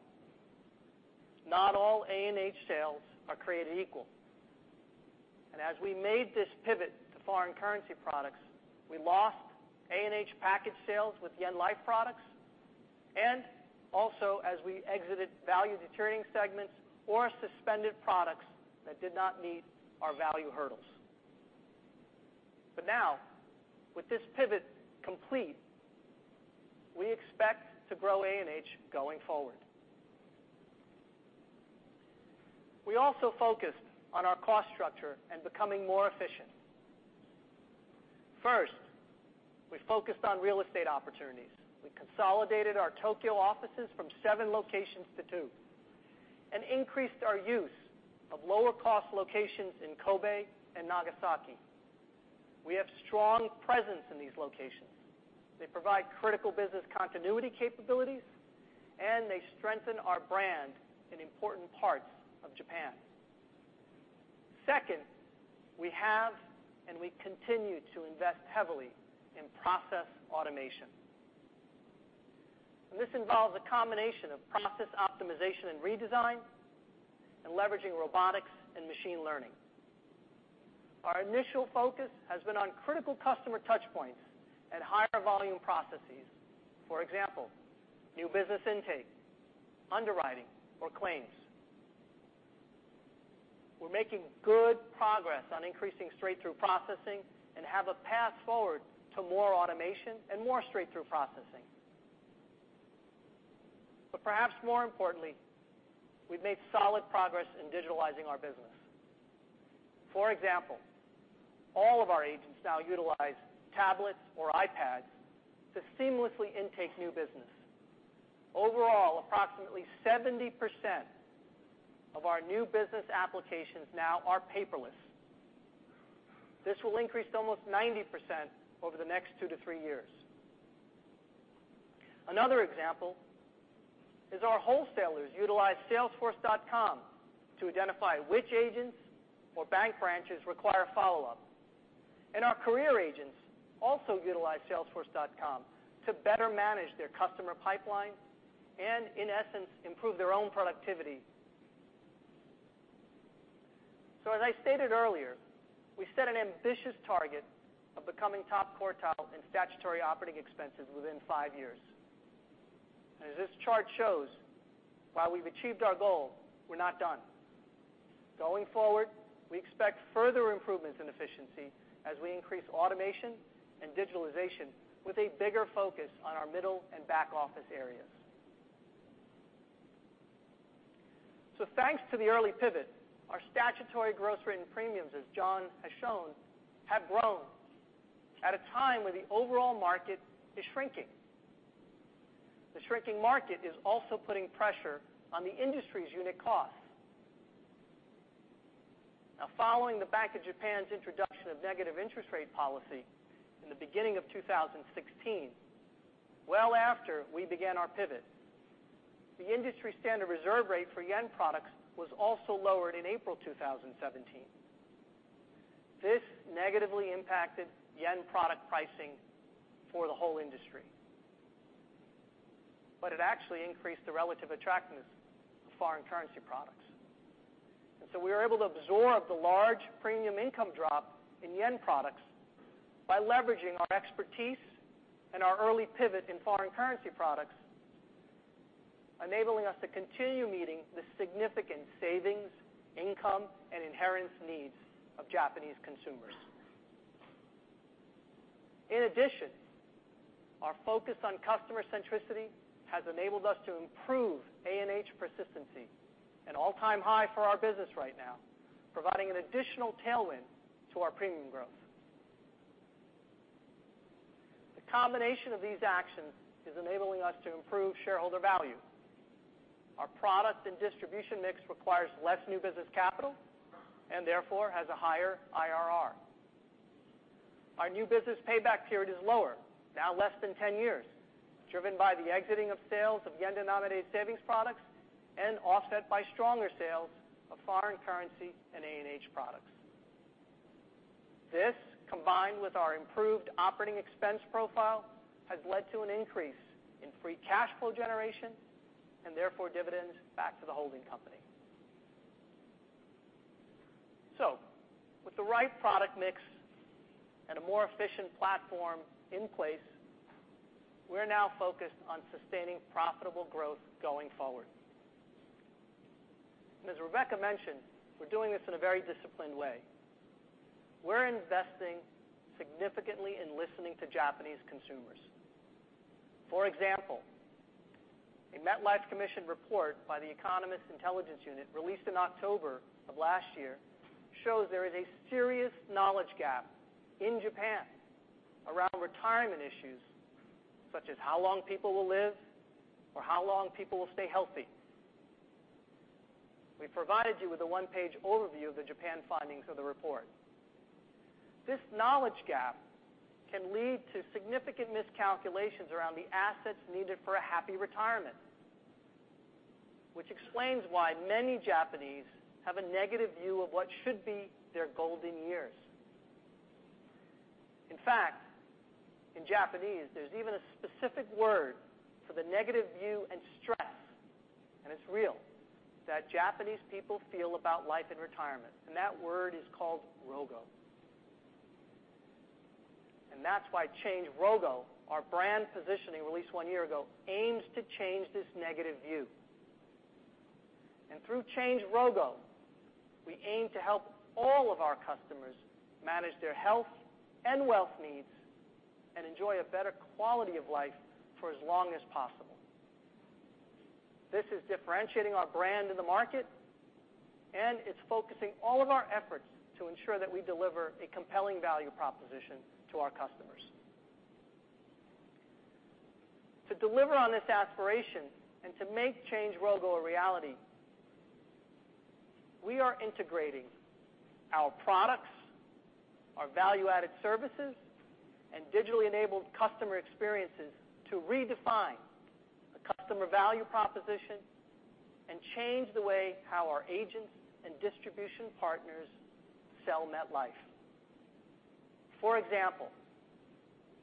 Not all A&H sales are created equal. As we made this pivot to foreign currency products, we lost A&H package sales with yen life products, and also as we exited value-deteriorating segments or suspended products that did not meet our value hurdles. Now, with this pivot complete, we expect to grow A&H going forward. We also focused on our cost structure and becoming more efficient. First, we focused on real estate opportunities. We consolidated our Tokyo offices from seven locations to two and increased our use of lower-cost locations in Kobe and Nagasaki. We have strong presence in these locations. They provide critical business continuity capabilities, and they strengthen our brand in important parts of Japan. Second, we have and we continue to invest heavily in process automation. This involves a combination of process optimization and redesign and leveraging robotics and machine learning. Our initial focus has been on critical customer touch points and higher volume processes. For example, new business intake, underwriting, or claims. We are making good progress on increasing straight-through processing and have a path forward to more automation and more straight-through processing. Perhaps more importantly, we have made solid progress in digitalizing our business. For example, all of our agents now utilize tablets or iPads to seamlessly intake new business. Overall, approximately 70% of our new business applications now are paperless. This will increase to almost 90% over the next two to three years. Another example is our wholesalers utilize salesforce.com to identify which agents or bank branches require follow-up. Our career agents also utilize salesforce.com to better manage their customer pipeline and, in essence, improve their own productivity. As I stated earlier, we set an ambitious target of becoming top quartile in statutory operating expenses within five years. As this chart shows, while we have achieved our goal, we are not done. Going forward, we expect further improvements in efficiency as we increase automation and digitalization with a bigger focus on our middle and back office areas. Thanks to the early pivot, our statutory gross written premiums, as John has shown, have grown at a time when the overall market is shrinking. The shrinking market is also putting pressure on the industry's unit costs. Now following the Bank of Japan's introduction of negative interest rate policy in the beginning of 2016, well after we began our pivot, the industry standard reserve rate for yen products was also lowered in April 2017. It actually increased the relative attractiveness of foreign currency products. We were able to absorb the large premium income drop in yen products by leveraging our expertise and our early pivot in foreign currency products, enabling us to continue meeting the significant savings, income, and inheritance needs of Japanese consumers. In addition, our focus on customer centricity has enabled us to improve A&H persistency, an all-time high for our business right now, providing an additional tailwind to our premium growth. The combination of these actions is enabling us to improve shareholder value. Our product and distribution mix requires less new business capital, and therefore, has a higher IRR. Our new business payback period is lower, now less than 10 years, driven by the exiting of sales of yen-denominated savings products and offset by stronger sales of foreign currency and A&H products. This, combined with our improved operating expense profile, has led to an increase in free cash flow generation, and therefore, dividends back to the holding company. With the right product mix and a more efficient platform in place, we're now focused on sustaining profitable growth going forward. As Rebecca mentioned, we're doing this in a very disciplined way. We're investing significantly in listening to Japanese consumers. For example, a MetLife commissioned report by the Economist Intelligence Unit released in October of last year shows there is a serious knowledge gap in Japan around retirement issues such as how long people will live or how long people will stay healthy. We provided you with a one-page overview of the Japan findings of the report. This knowledge gap can lead to significant miscalculations around the assets needed for a happy retirement, which explains why many Japanese have a negative view of what should be their golden years. In fact, in Japanese, there's even a specific word for the negative view and stress, and it's real, that Japanese people feel about life in retirement, and that word is called rogo. That's why Change Rogo, our brand positioning released one year ago, aims to change this negative view. Through Change Rogo, we aim to help all of our customers manage their health and wealth needs and enjoy a better quality of life for as long as possible. This is differentiating our brand in the market, and it's focusing all of our efforts to ensure that we deliver a compelling value proposition to our customers. To deliver on this aspiration and to make Change Rogo a reality, we are integrating our products, our value-added services, and digitally enabled customer experiences to redefine the customer value proposition and change the way how our agents and distribution partners sell MetLife. For example,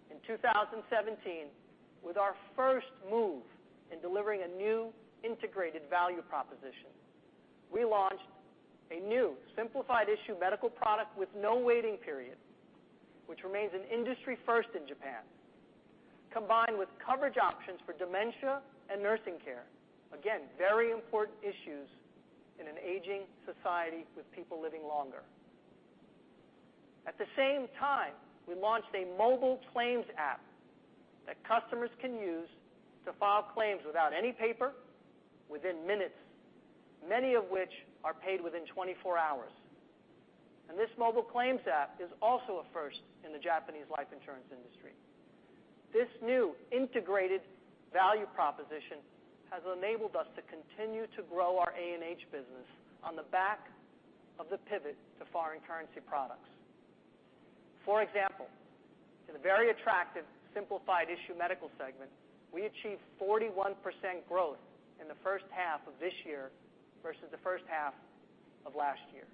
in 2017, with our first move in delivering a new integrated value proposition, we launched a new simplified issue medical product with no waiting period, which remains an industry first in Japan, combined with coverage options for dementia and nursing care. Again, very important issues in an aging society with people living longer. At the same time, we launched a mobile claims app that customers can use to file claims without any paper within minutes, many of which are paid within 24 hours. This mobile claims app is also a first in the Japanese life insurance industry. This new integrated value proposition has enabled us to continue to grow our A&H business on the back of the pivot to foreign currency products. For example, in a very attractive simplified issue medical segment, we achieved 41% growth in the first half of this year versus the first half of last year.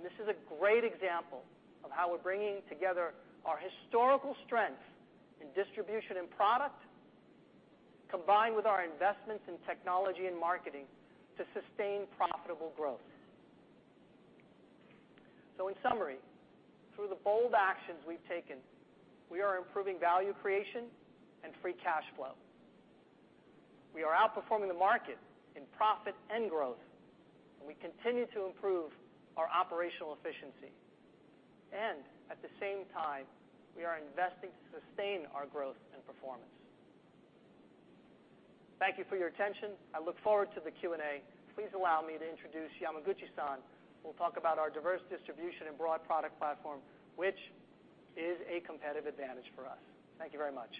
This is a great example of how we're bringing together our historical strength in distribution and product, combined with our investments in technology and marketing to sustain profitable growth. In summary, through the bold actions we've taken, we are improving value creation and free cash flow. We are outperforming the market in profit and growth, and we continue to improve our operational efficiency. At the same time, we are investing to sustain our growth and performance. Thank you for your attention. I look forward to the Q&A. Please allow me to introduce Yamaguchi-san, who will talk about our diverse distribution and broad product platform, which is a competitive advantage for us. Thank you very much.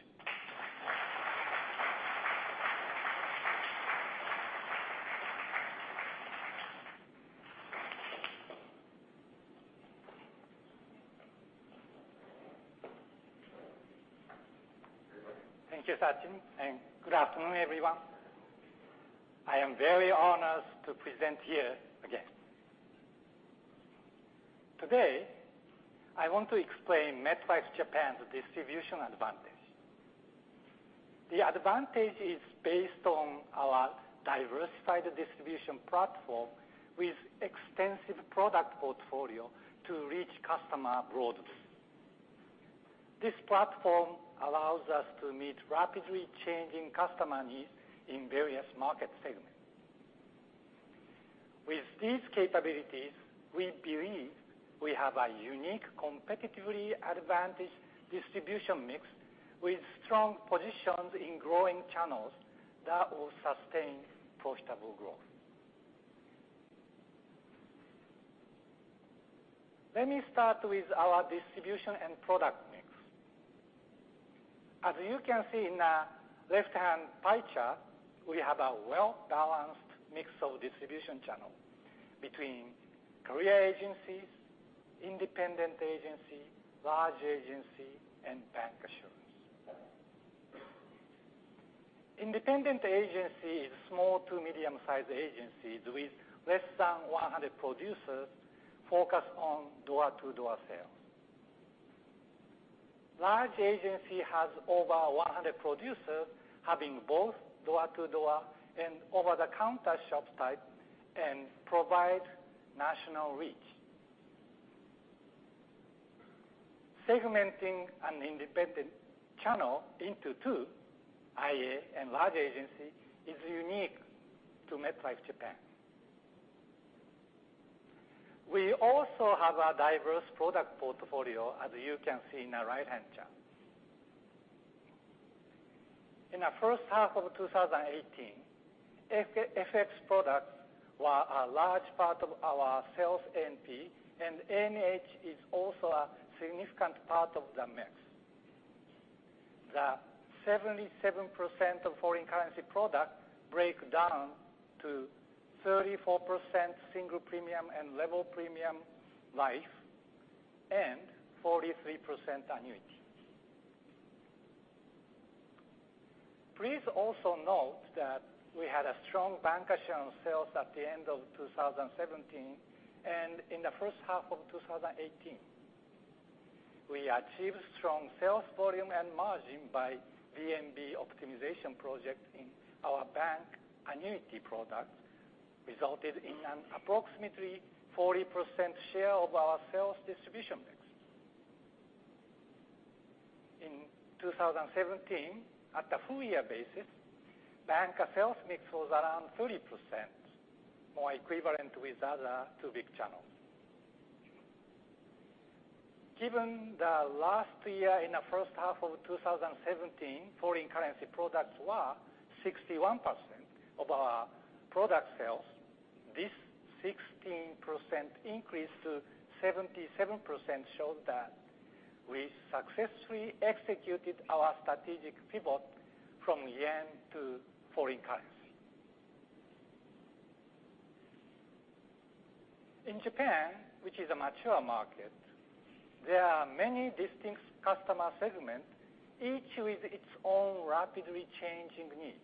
Thank you, Sachin, and good afternoon, everyone. I am very honored to present here again. Today, I want to explain MetLife Japan's distribution advantage. The advantage is based on our diversified distribution platform with extensive product portfolio to reach customer broadly. This platform allows us to meet rapidly changing customer needs in various market segments. With these capabilities, we believe we have a unique, competitively advantaged distribution mix with strong positions in growing channels that will sustain profitable growth. Let me start with our distribution and product mix. As you can see in the left-hand pie chart, we have a well-balanced mix of distribution channel between career agencies, independent agency, large agency, and bancassurance. Independent agency is small to medium-sized agencies with less than 100 producers focused on door-to-door sales. Large agency has over 100 producers, having both door-to-door and over-the-counter shop type and provide national reach. Segmenting an independent channel into 2, IA and large agency, is unique to MetLife Japan. We also have a diverse product portfolio, as you can see in the right-hand chart. In the first half of 2018, FX products were a large part of our sales ANP, and A&H is also a significant part of the mix. The 77% of foreign currency product break down to 34% single premium and level premium life, and 43% annuity. Please also note that we had strong bancassurance sales at the end of 2017 and in the first half of 2018. We achieved strong sales volume and margin by VNB optimization project in our bank annuity product, resulting in an approximately 40% share of our sales distribution mix. In 2017, at the full year basis, bancassurance sales mix was around 30%, more equivalent with the other 2 big channels. Given that last year in the first half of 2017, foreign currency products were 61% of our product sales, this 16% increase to 77% shows that we successfully executed our strategic pivot from yen to foreign currency. In Japan, which is a mature market, there are many distinct customer segments, each with its own rapidly changing needs.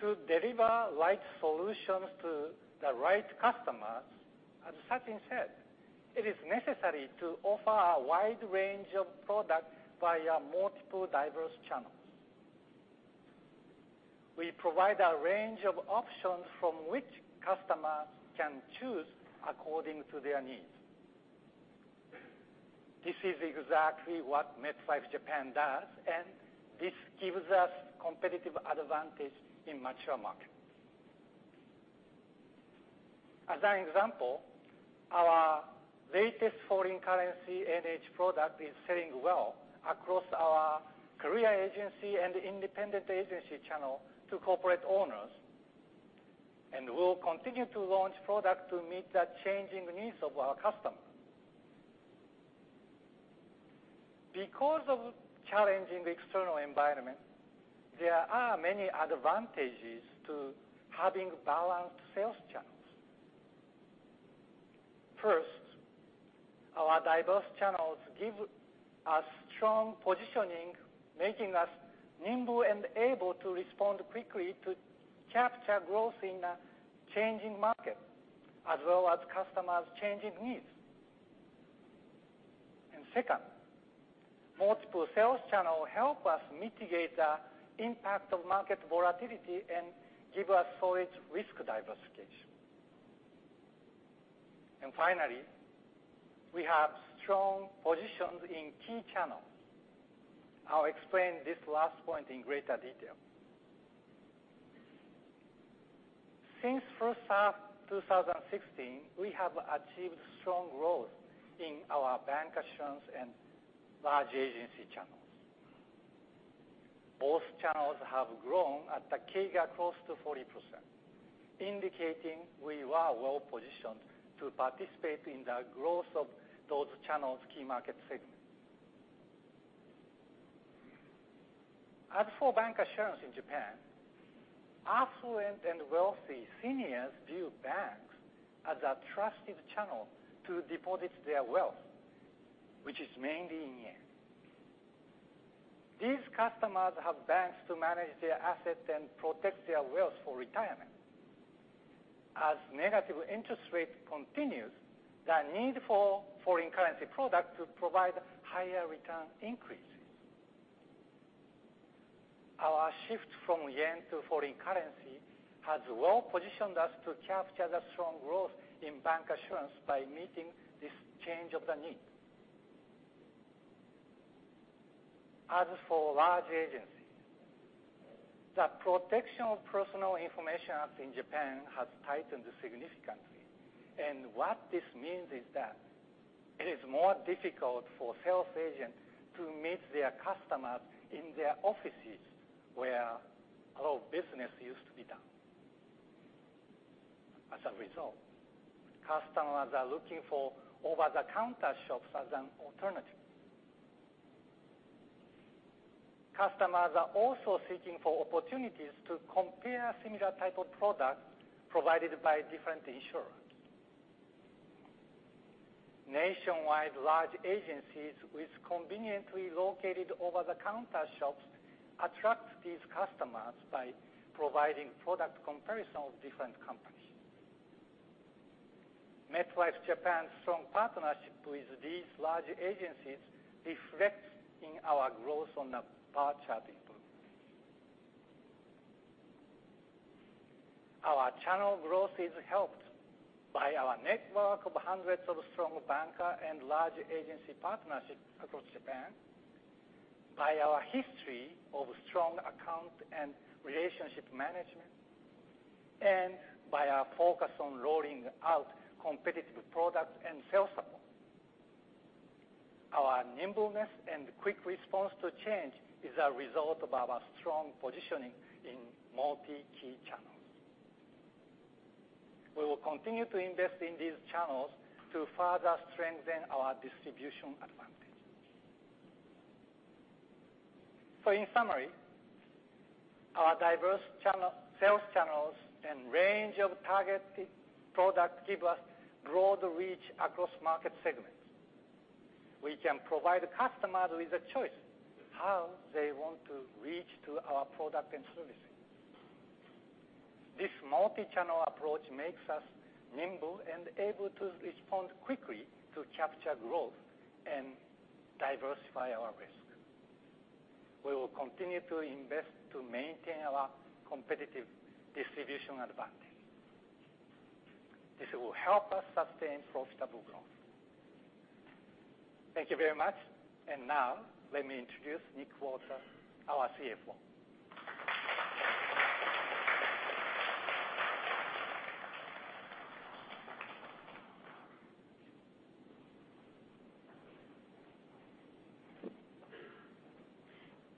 To deliver the right solutions to the right customers, as Sachin said, it is necessary to offer a wide range of products via multiple diverse channels. We provide a range of options from which customers can choose according to their needs. This is exactly what MetLife Japan does, and this gives us competitive advantage in mature markets. As an example, our latest foreign currency A&H product is selling well across our career agency and independent agency channel to corporate owners, and we'll continue to launch products to meet the changing needs of our customers. Because of the challenging external environment, there are many advantages to having balanced sales channels. First, our diverse channels give us strong positioning, making us nimble and able to respond quickly to capture growth in a changing market, as well as customers' changing needs. Second, multiple sales channels help us mitigate the impact of market volatility and give us solid risk diversification. Finally, we have strong positions in key channels. I'll explain this last point in greater detail. Since first half of 2016, we have achieved strong growth in our bancassurance and large agency channels. Both channels have grown at a CAGR close to 40%, indicating we were well-positioned to participate in the growth of those channels' key market segments. As for bancassurance in Japan, affluent and wealthy seniors view banks as a trusted channel to deposit their wealth, which is mainly in yen. These customers have banks to manage their assets and protect their wealth for retirement. As negative interest rate continues, the need for foreign currency products to provide higher return increases. Our shift from yen to foreign currency has well-positioned us to capture the strong growth in bancassurance by meeting this change of the need. As for large agencies, the protection of personal information in Japan has tightened significantly. What this means is that it is more difficult for sales agents to meet their customers in their offices where a lot of business used to be done. As a result, customers are looking for over-the-counter shops as an alternative. Customers are also seeking for opportunities to compare similar type of products provided by different insurers. Nationwide large agencies with conveniently located over-the-counter shops attract these customers by providing product comparison of different companies. MetLife Japan's strong partnership with these large agencies reflects in our growth on the bar chart improvement. Our channel growth is helped by our network of hundreds of strong banker and large agency partnerships across Japan, by our history of strong account and relationship management, and by our focus on rolling out competitive products and sales support. Our nimbleness and quick response to change is a result of our strong positioning in multi key channels. We will continue to invest in these channels to further strengthen our distribution advantage. In summary, our diverse sales channels and range of targeted products give us broad reach across market segments. We can provide customers with a choice how they want to reach to our product and services. This multi-channel approach makes us nimble and able to respond quickly to capture growth and diversify our risk. We will continue to invest to maintain our competitive distribution advantage. This will help us sustain profitable growth. Thank you very much. Now let me introduce Nick Walters, our CFO.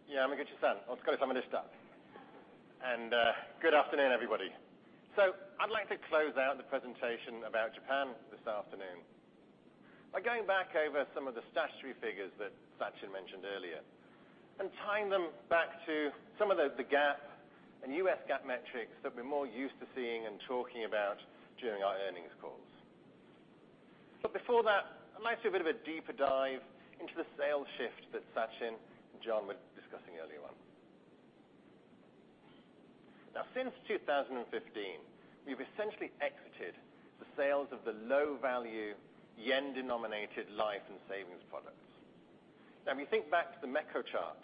Yeah. Good afternoon, everybody. I'd like to close out the presentation about Japan this afternoon by going back over some of the statutory figures that Sachin mentioned earlier and tying them back to some of the GAAP and U.S. GAAP metrics that we're more used to seeing and talking about during our earnings calls. Before that, I'd like to do a bit of a deeper dive into the sales shift that Sachin and John were discussing earlier on. Since 2015, we've essentially exited the sales of the low-value yen-denominated life and savings products. If you think back to the Mekko chart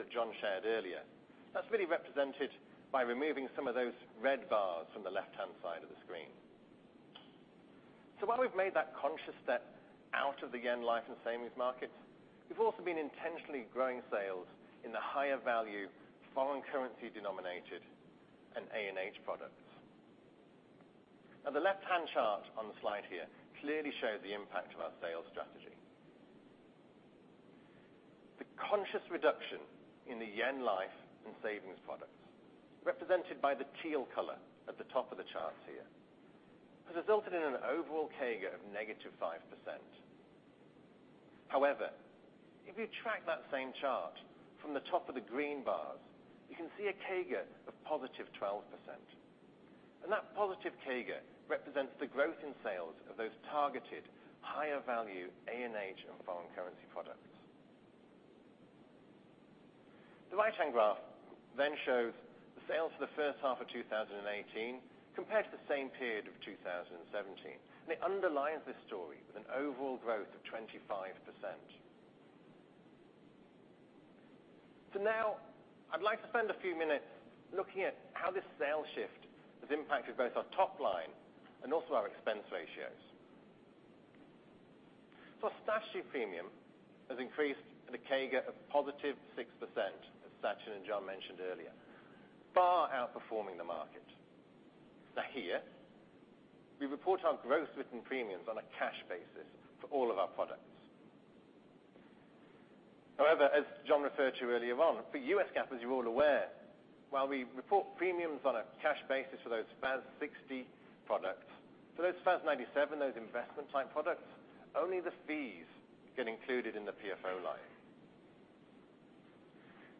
that John shared earlier, that's really represented by removing some of those red bars from the left-hand side of the screen. While we've made that conscious step out of the yen life and savings market, we've also been intentionally growing sales in the higher value foreign currency denominated and A&H products. The left-hand chart on the slide here clearly shows the impact of our sales strategy. The conscious reduction in the yen life and savings products, represented by the teal color at the top of the chart here, has resulted in an overall CAGR of negative 5%. However, if you track that same chart from the top of the green bars, you can see a CAGR of positive 12%. That positive CAGR represents the growth in sales of those targeted higher value A&H and foreign currency products. The right-hand graph shows the sales for the first half of 2018 compared to the same period of 2017. It underlines this story with an overall growth of 25%. Now I'd like to spend a few minutes looking at how this sales shift has impacted both our top line and also our expense ratios. Statutory premium has increased at a CAGR of positive 6%, as Sachin and John mentioned earlier, far outperforming the market. Here, we report our gross written premiums on a cash basis for all of our products. However, as John referred to earlier on, for U.S. GAAP, as you're all aware, while we report premiums on a cash basis for those FAS 60 products, for those FAS 97, those investment type products, only the fees get included in the PFO line.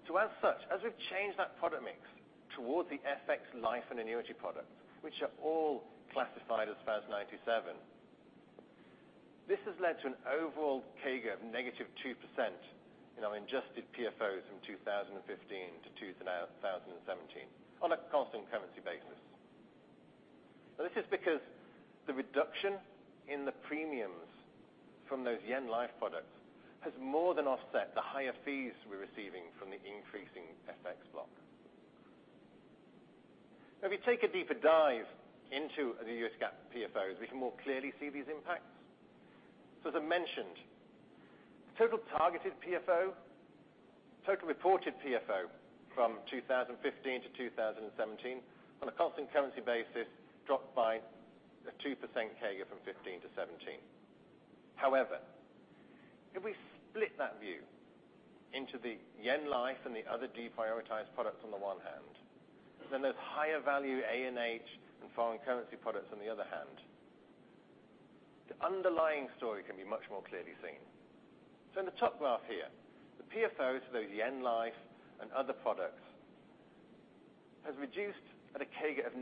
As such, as we've changed that product mix towards the FX life and annuity products, which are all classified as FAS 97. This has led to an overall CAGR of negative 2% in our adjusted PFOs from 2015 to 2017 on a constant currency basis. This is because the reduction in the premiums from those yen life products has more than offset the higher fees we're receiving from the increasing FX block. If we take a deeper dive into the U.S. GAAP PFOs, we can more clearly see these impacts. As I mentioned, total targeted PFO, total reported PFO from 2015 to 2017 on a constant currency basis dropped by a 2% CAGR from 2015 to 2017. If we split that view into the yen life and the other deprioritized products on the one hand, then there's higher value A&H and foreign currency products on the other hand. The underlying story can be much more clearly seen. In the top graph here, the PFOs for those yen life and other products has reduced at a CAGR of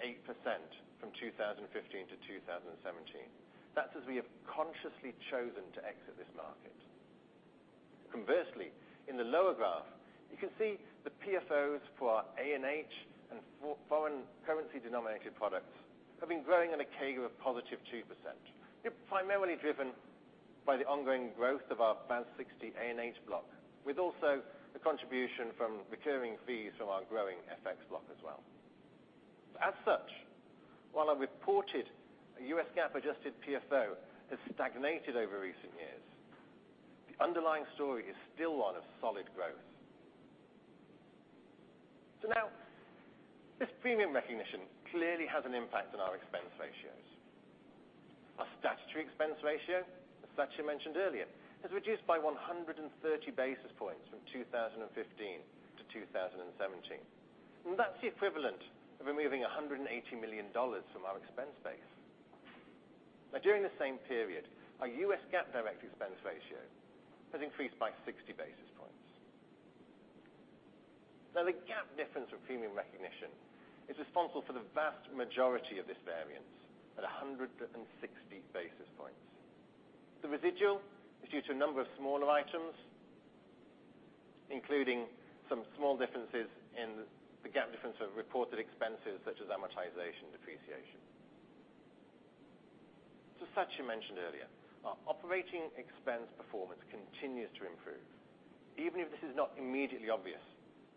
-8% from 2015 to 2017. That's as we have consciously chosen to exit this market. In the lower graph, you can see the PFOs for our A&H and foreign currency denominated products have been growing at a CAGR of +2%, primarily driven by the ongoing growth of our FAS 60 A&H block, with also the contribution from recurring fees from our growing FX block as well. While our reported U.S. GAAP adjusted PFO has stagnated over recent years, the underlying story is still one of solid growth. Now, this premium recognition clearly has an impact on our expense ratios. Our statutory expense ratio, as Sachin mentioned earlier, has reduced by 130 basis points from 2015 to 2017. And that's the equivalent of removing $180 million from our expense base. During the same period, our U.S. GAAP direct expense ratio has increased by 60 basis points. The GAAP difference from premium recognition is responsible for the vast majority of this variance at 160 basis points. The residual is due to a number of smaller items, including some small differences in the GAAP difference of reported expenses such as amortization and depreciation. Sachin mentioned earlier, our operating expense performance continues to improve, even if this is not immediately obvious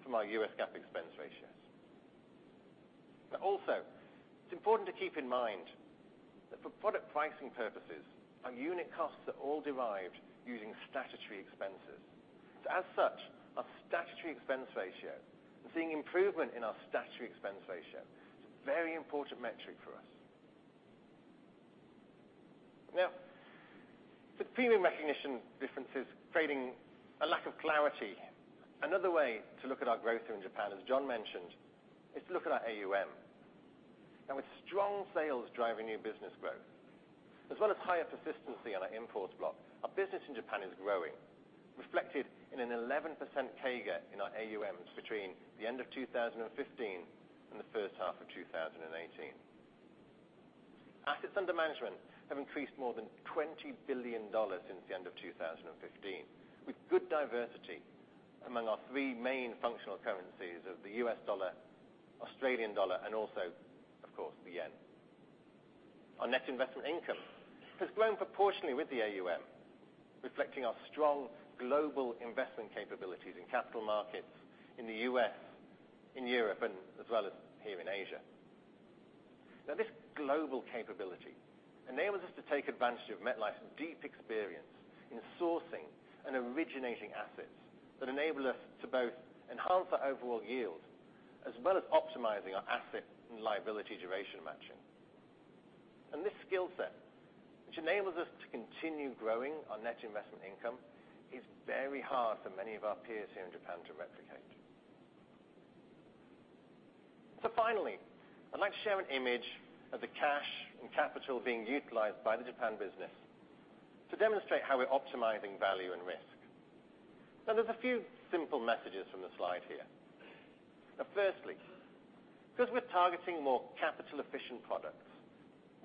from our U.S. GAAP expense ratios. Also, it's important to keep in mind that for product pricing purposes, our unit costs are all derived using statutory expenses. As such, our statutory expense ratio and seeing improvement in our statutory expense ratio is a very important metric for us. With premium recognition differences creating a lack of clarity, another way to look at our growth here in Japan, as John mentioned, is to look at our AUM. With strong sales driving new business growth, as well as higher persistency on our in-force block, our business in Japan is growing, reflected in an 11% CAGR in our AUM between the end of 2015 and the first half of 2018. Assets under management have increased more than $20 billion since the end of 2015, with good diversity among our three main functional currencies of the U.S. dollar, Australian dollar, and also, of course, the yen. Our net investment income has grown proportionally with the AUM, reflecting our strong global investment capabilities in capital markets in the U.S., in Europe, and as well as here in Asia. This global capability enables us to take advantage of MetLife's deep experience in sourcing and originating assets that enable us to both enhance our overall yield, as well as optimizing our asset and liability duration matching. And this skill set, which enables us to continue growing our net investment income, is very hard for many of our peers here in Japan to replicate. Finally, I'd like to share an image of the cash and capital being utilized by the Japan business to demonstrate how we're optimizing value and risk. There's a few simple messages from the slide here. Firstly, because we're targeting more capital efficient products,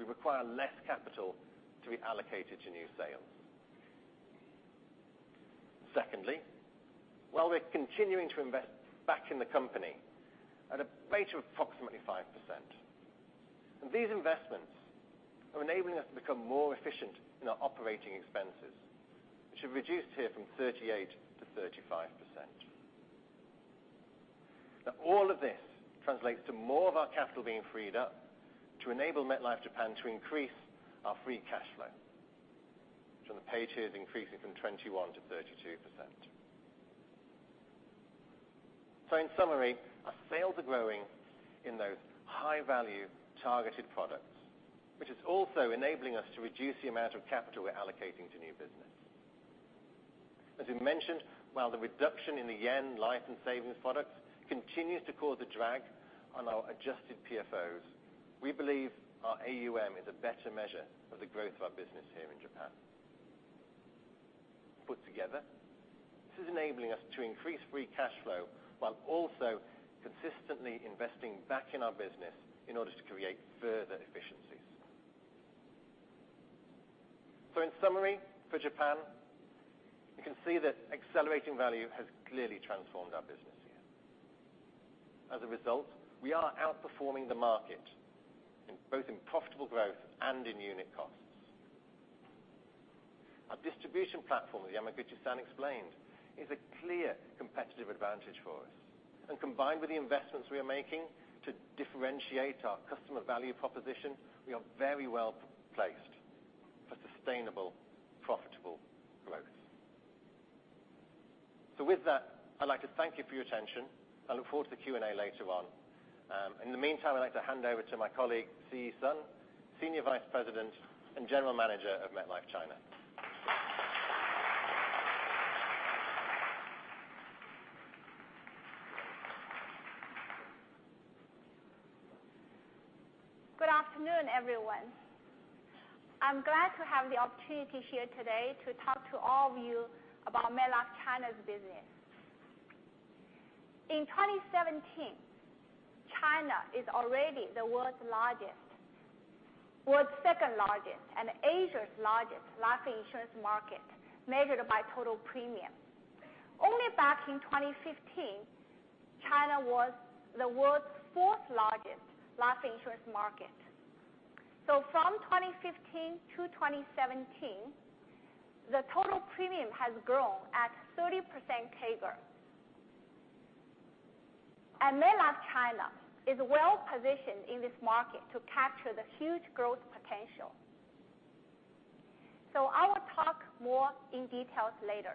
we require less capital to be allocated to new sales. Secondly, while we're continuing to invest back in the company at a rate of approximately 5%. These investments are enabling us to become more efficient in our operating expenses, which have reduced here from 38%-35%. All of this translates to more of our capital being freed up to enable MetLife Japan to increase our free cash flow. Which on the page here is increasing from 21%-32%. In summary, our sales are growing in those high value targeted products, which is also enabling us to reduce the amount of capital we're allocating to new business. As we mentioned, while the reduction in the yen life and savings products continues to cause a drag on our adjusted PFOs, we believe our AUM is a better measure of the growth of our business here in Japan. Put together, this is enabling us to increase free cash flow while also consistently investing back in our business in order to create further efficiencies. In summary, for Japan, you can see that accelerating value has clearly transformed our business here. As a result, we are outperforming the market, both in profitable growth and in unit costs. Our distribution platform, as Yamaguchi-san explained, is a clear competitive advantage for us. Combined with the investments we are making to differentiate our customer value proposition, we are very well placed for sustainable profitable growth. With that, I'd like to thank you for your attention. I look forward to the Q&A later on. In the meantime, I'd like to hand over to my colleague, Siyi Sun, Senior Vice President and General Manager of MetLife China. Good afternoon, everyone. I'm glad to have the opportunity here today to talk to all of you about MetLife China's business. In 2017, China is already the world's second-largest and Asia's largest life insurance market, measured by total premium. Only back in 2015, China was the world's fourth-largest life insurance market. From 2015 to 2017, the total premium has grown at 30% CAGR. MetLife China is well-positioned in this market to capture the huge growth potential. I will talk more in details later.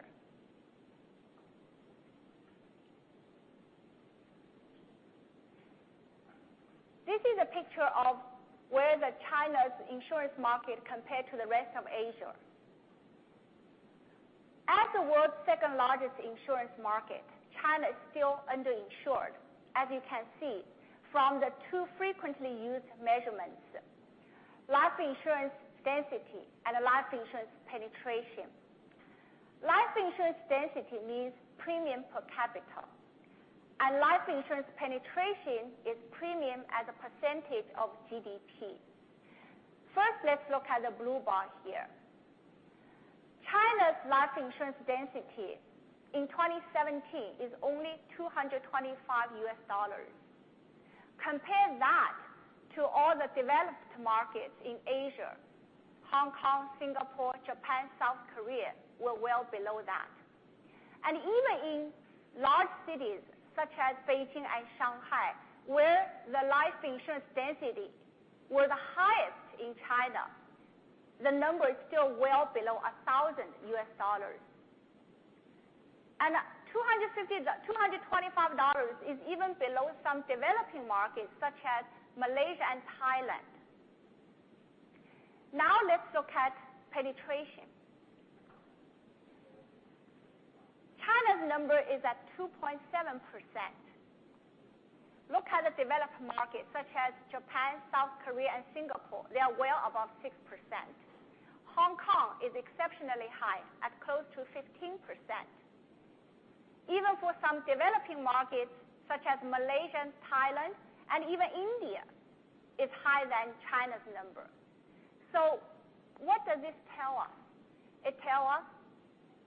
This is a picture of where the China's insurance market compare to the rest of Asia. As the world's second-largest insurance market, China is still under-insured, as you can see from the two frequently used measurements, life insurance density and life insurance penetration. Life insurance density means premium per capita, and life insurance penetration is premium as a percentage of GDP. First, let's look at the blue bar here. China's life insurance density in 2017 is only $225. Compare that to all the developed markets in Asia, Hong Kong, Singapore, Japan, South Korea, we're well below that. Even in large cities such as Beijing and Shanghai, where the life insurance density was the highest in China, the number is still well below $1,000. $225 is even below some developing markets such as Malaysia and Thailand. Let's look at penetration. China's number is at 2.7%. Look at the developed markets such as Japan, South Korea, and Singapore. They are well above 6%. Hong Kong is exceptionally high at close to 15%. Even for some developing markets such as Malaysia and Thailand, and even India is higher than China's number. What does this tell us? It tells us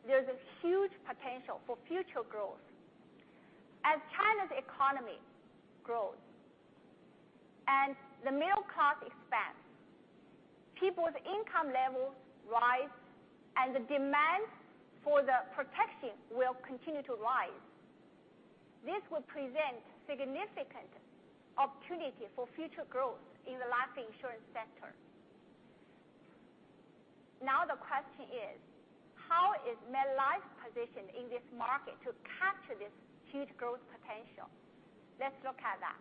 there's a huge potential for future growth. As China's economy grows and the middle class expands, people's income levels rise and the demand for protection will continue to rise. This will present significant opportunity for future growth in the life insurance sector. The question is: how is MetLife positioned in this market to capture this huge growth potential? Let's look at that.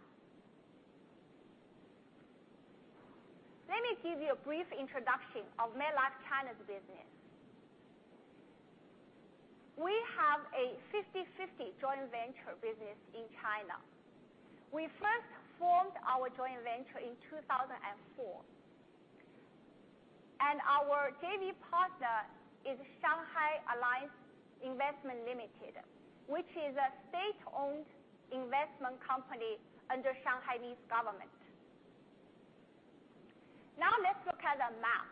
Let me give you a brief introduction of MetLife China's business. We have a 50/50 joint venture business in China. We first formed our joint venture in 2004. Our JV partner is Shanghai Alliance Investment Ltd., which is a state-owned investment company under Shanghai East government. Let's look at the map.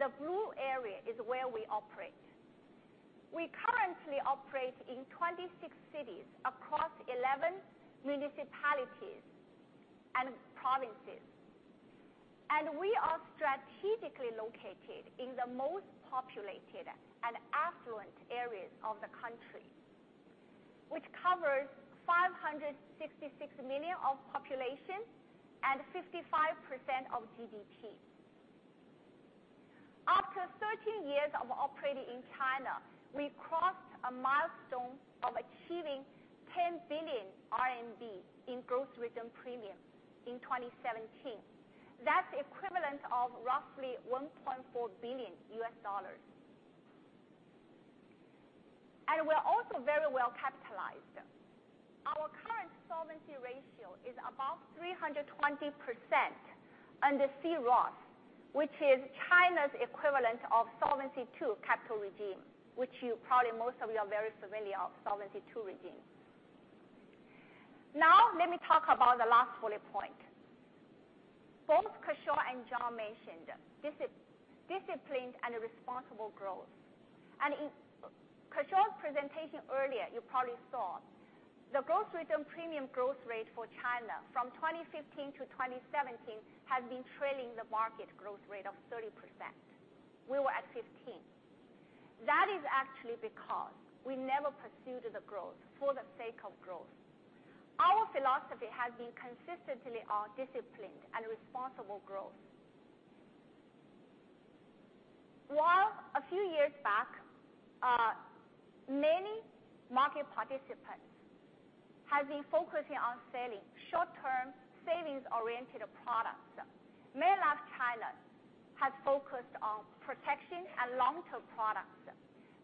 The blue area is where we operate. We currently operate in 26 cities across 11 municipalities and provinces. We are strategically located in the most populated and affluent areas of the country, which covers 566 million of population and 55% of GDP. After 13 years of operating in China, we crossed a milestone of achieving 10 billion RMB in gross written premium in 2017. That's equivalent of roughly $1.4 billion. We're also very well capitalized at about 320% under C-ROSS, which is China's equivalent of Solvency II capital regime, which probably most of you are very familiar with the Solvency II regime. Let me talk about the last bullet point. Both Kishore and John mentioned disciplined and responsible growth. In Kishore's presentation earlier, you probably saw the gross written premium growth rate for China from 2015 to 2017 has been trailing the market growth rate of 30%. We were at 15. That is actually because we never pursued the growth for the sake of growth. Our philosophy has been consistently on disciplined and responsible growth. While a few years back, many market participants have been focusing on selling short-term, savings-oriented products. MetLife China has focused on protection and long-term products.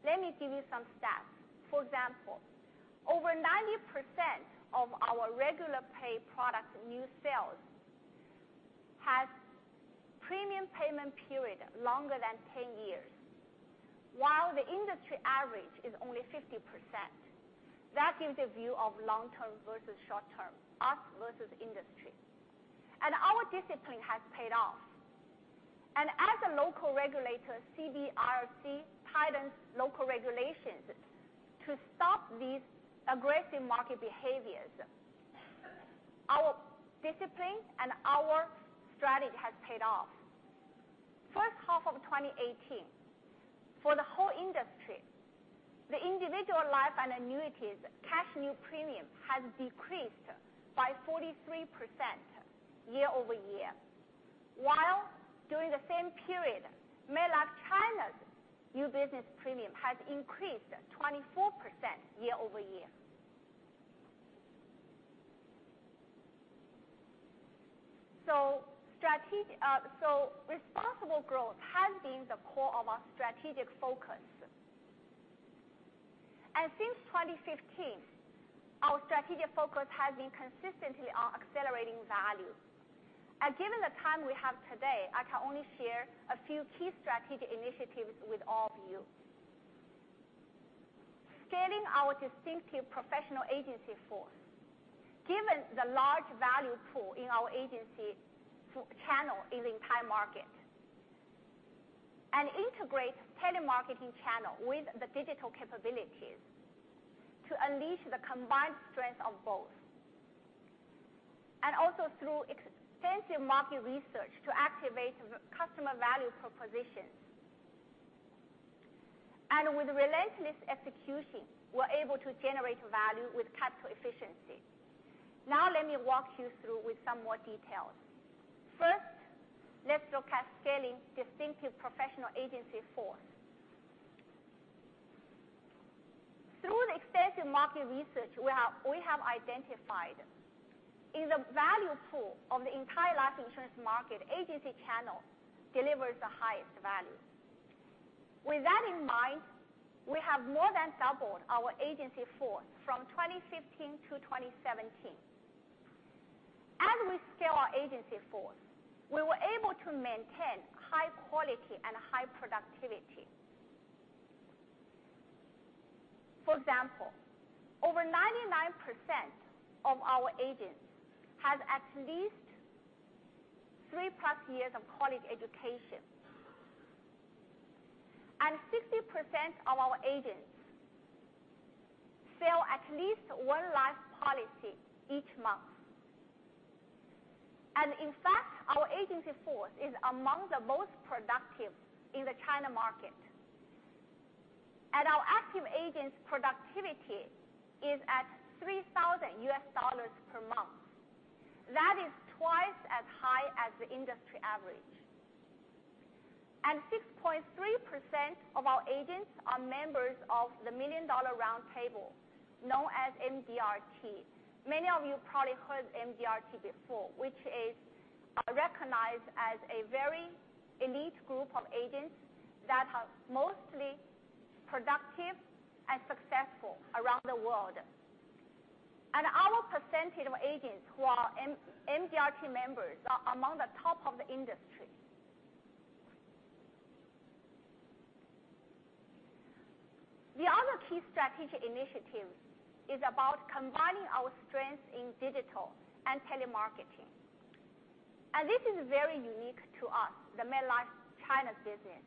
Let me give you some stats. For example, over 90% of our regular pay product new sales has a premium payment period longer than 10 years, while the industry average is only 50%. That gives a view of long term versus short term, us versus industry. Our discipline has paid off. As a local regulator, CIRC tightens local regulations to stop these aggressive market behaviors. Our discipline and our strategy has paid off. First half of 2018, for the whole industry, the individual life and annuities cash new premium has decreased by 43% year-over-year. While during the same period, MetLife China's new business premium has increased 24% year-over-year. Responsible growth has been the core of our strategic focus. Since 2015, our strategic focus has been consistently on accelerating value. Given the time we have today, I can only share a few key strategic initiatives with all of you. Scaling our distinctive professional agency force, given the large value pool in our agency channel in entire market, and integrate telemarketing channel with the digital capabilities to unleash the combined strength of both. Also through extensive market research to activate customer value propositions. With relentless execution, we're able to generate value with capital efficiency. Let me walk you through with some more details. Let's look at scaling distinctive professional agency force. Through the extensive market research we have identified in the value pool of the entire life insurance market, agency channel delivers the highest value. With that in mind, we have more than doubled our agency force from 2015 to 2017. As we scale our agency force, we were able to maintain high quality and high productivity. For example, over 99% of our agents have at least three plus years of college education. 60% of our agents sell at least one life policy each month. In fact, our agency force is among the most productive in the China market. Our active agents' productivity is at $3,000 per month. That is twice as high as the industry average. 6.3% of our agents are members of the Million Dollar Round Table, known as MDRT. Many of you probably heard MDRT before, which is recognized as a very elite group of agents that are mostly productive and successful around the world. Our percentage of agents who are MDRT members are among the top of the industry. The other key strategic initiative is about combining our strengths in digital and telemarketing. This is very unique to us, the MetLife China business.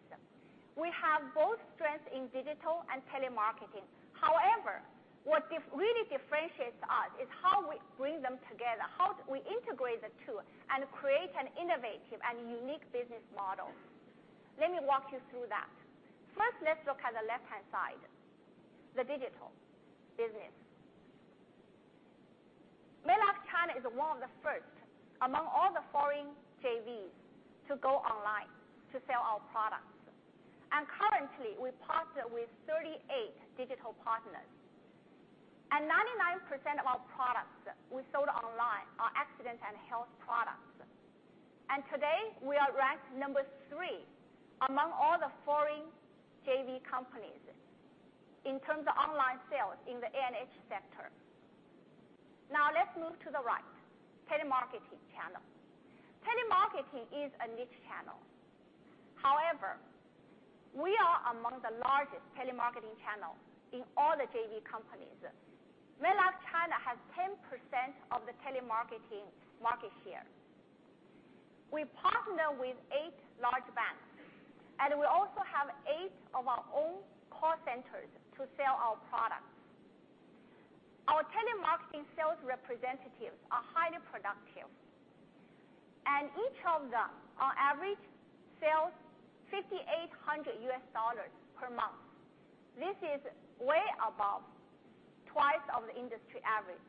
We have both strengths in digital and telemarketing. However, what really differentiates us is how we bring them together, how we integrate the two and create an innovative and unique business model. Let me walk you through that. Let's look at the left-hand side, the digital business. MetLife China is one of the first among all the foreign JVs to go online to sell our products. Currently, we partner with 38 digital partners. 99% of our products we sold online are accident and health products. Today, we are ranked number three among all the Companies in terms of online sales in the A&H sector. Let's move to the right, telemarketing channel. Telemarketing is a niche channel. However, we are among the largest telemarketing channel in all the JV companies. MetLife China has 10% of the telemarketing market share. We partner with eight large banks, and we also have eight of our own call centers to sell our products. Our telemarketing sales representatives are highly productive, and each of them, on average, sells $5,800 per month. This is way above twice of the industry average.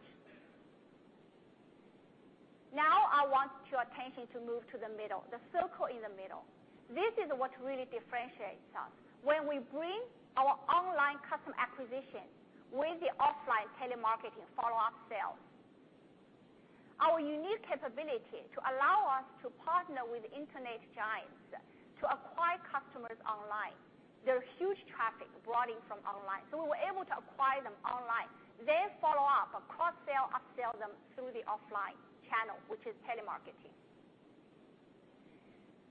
I want your attention to move to the middle, the circle in the middle. This is what really differentiates us. When we bring our online customer acquisition with the offline telemarketing follow-up sales. Our unique capability to allow us to partner with internet giants to acquire customers online. There are huge traffic brought in from online. We were able to acquire them online, then follow up or cross-sell, up-sell them through the offline channel, which is telemarketing.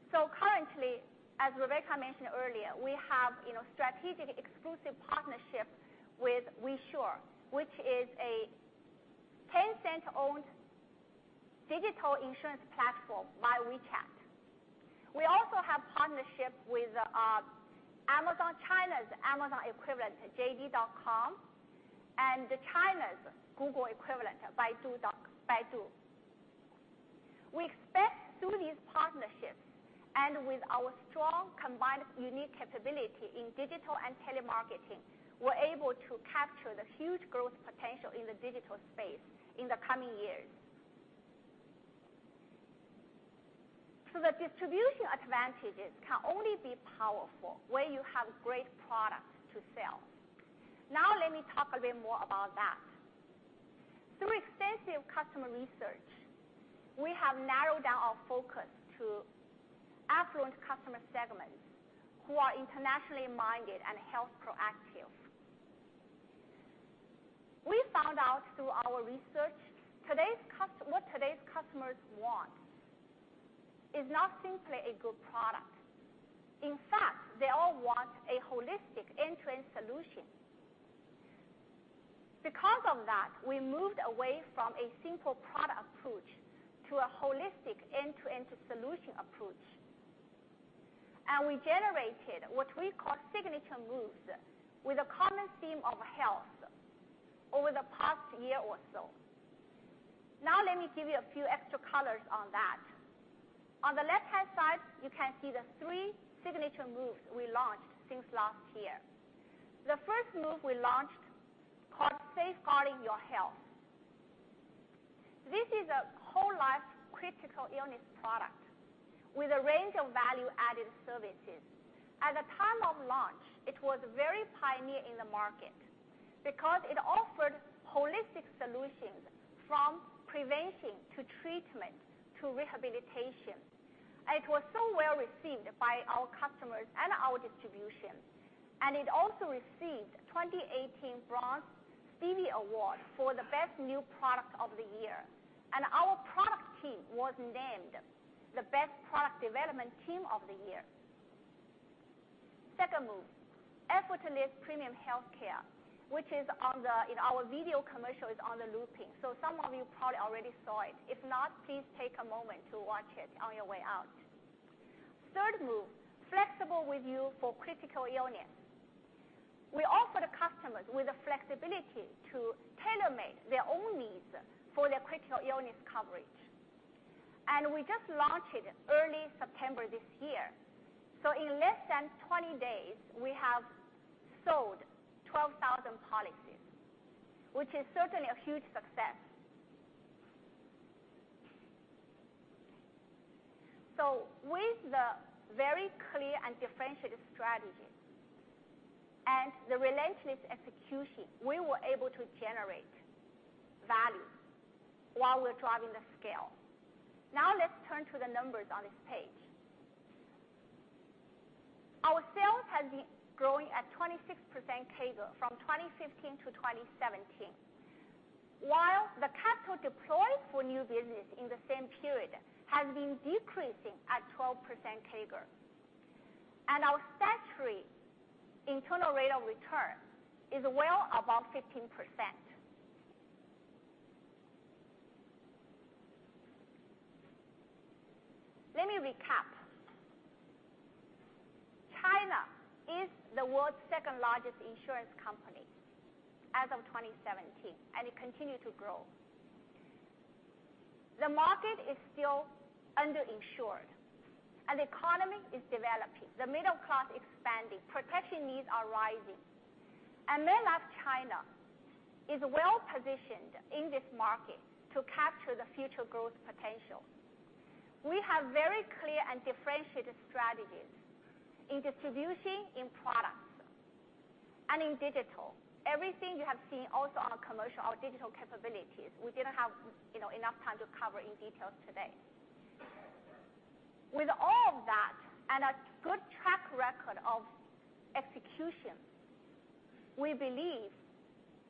Currently, as Rebecca mentioned earlier, we have strategic exclusive partnership with WeSure, which is a Tencent-owned digital insurance platform by WeChat. We also have partnership with Amazon, China's Amazon equivalent, JD.com, and China's Google equivalent, Baidu. We expect through these partnerships, and with our strong, combined, unique capability in digital and telemarketing, we're able to capture the huge growth potential in the digital space in the coming years. The distribution advantages can only be powerful where you have great products to sell. Let me talk a bit more about that. Through extensive customer research, we have narrowed down our focus to affluent customer segments who are internationally minded and health proactive. We found out through our research, what today's customers want is not simply a good product. In fact, they all want a holistic end-to-end solution. Because of that, we moved away from a simple product approach to a holistic end-to-end solution approach. We generated what we call signature moves with a common theme of health over the past year or so. Let me give you a few extra colors on that. On the left-hand side, you can see the three signature moves we launched since last year. The first move we launched, called Safeguarding Your Health. This is a whole life critical illness product with a range of value-added services. At the time of launch, it was very pioneer in the market because it offered holistic solutions from prevention to treatment to rehabilitation. It was so well-received by our customers and our distribution, and it also received 2018 Bronze Stevie award for the best new product of the year. Our product team was named the best product development team of the year. Second move, Effortless Premium Healthcare, which is in our video commercial, is on the looping. Some of you probably already saw it. If not, please take a moment to watch it on your way out. Third move, Flexible With You for Critical Illness. We offer the customers with the flexibility to tailor-make their own needs for their critical illness coverage. We just launched it early September this year. In less than 20 days, we have sold 12,000 policies, which is certainly a huge success. With the very clear and differentiated strategy and the relentless execution, we were able to generate value while we're driving the scale. Let's turn to the numbers on this page. Our sales has been growing at 26% CAGR from 2015 to 2017. While the capital deployed for new business in the same period has been decreasing at 12% CAGR. Our statutory internal rate of return is well above 15%. Let me recap. China is the world's second-largest insurance company as of 2017, and it continue to grow. The market is still under-insured and the economy is developing. The middle class expanding. Protection needs are rising. MetLife China is well-positioned in this market to capture the future growth potential. We have very clear and differentiated strategies in distribution, in products, and in digital. Everything you have seen also on our commercial, our digital capabilities, we didn't have enough time to cover in details today. With all of that and a good track record of execution, we believe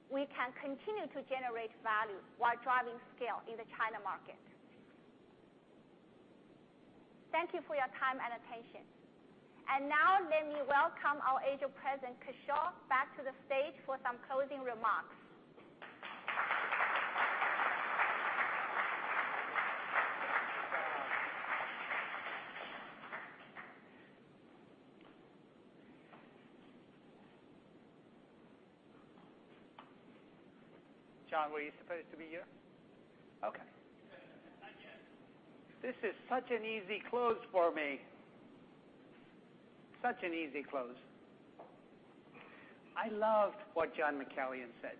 we can continue to generate value while driving scale in the China market. Thank you for your time and attention. Now let me welcome our Asia President, Kishore, back to the stage for some closing remarks. John, were you supposed to be here? Okay. This is such an easy close for me. Such an easy close. I loved what John McCallion said.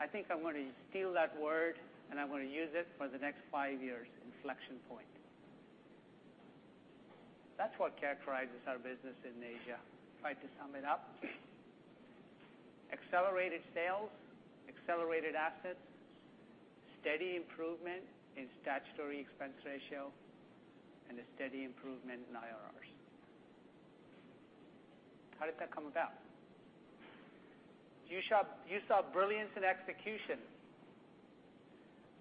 I think I'm going to steal that word, and I'm going to use it for the next five years, inflection point. That's what characterizes our business in Asia. If I try to sum it up, accelerated sales, accelerated assets, steady improvement in statutory expense ratio, and a steady improvement in IRRs. How did that come about? You saw brilliance in execution.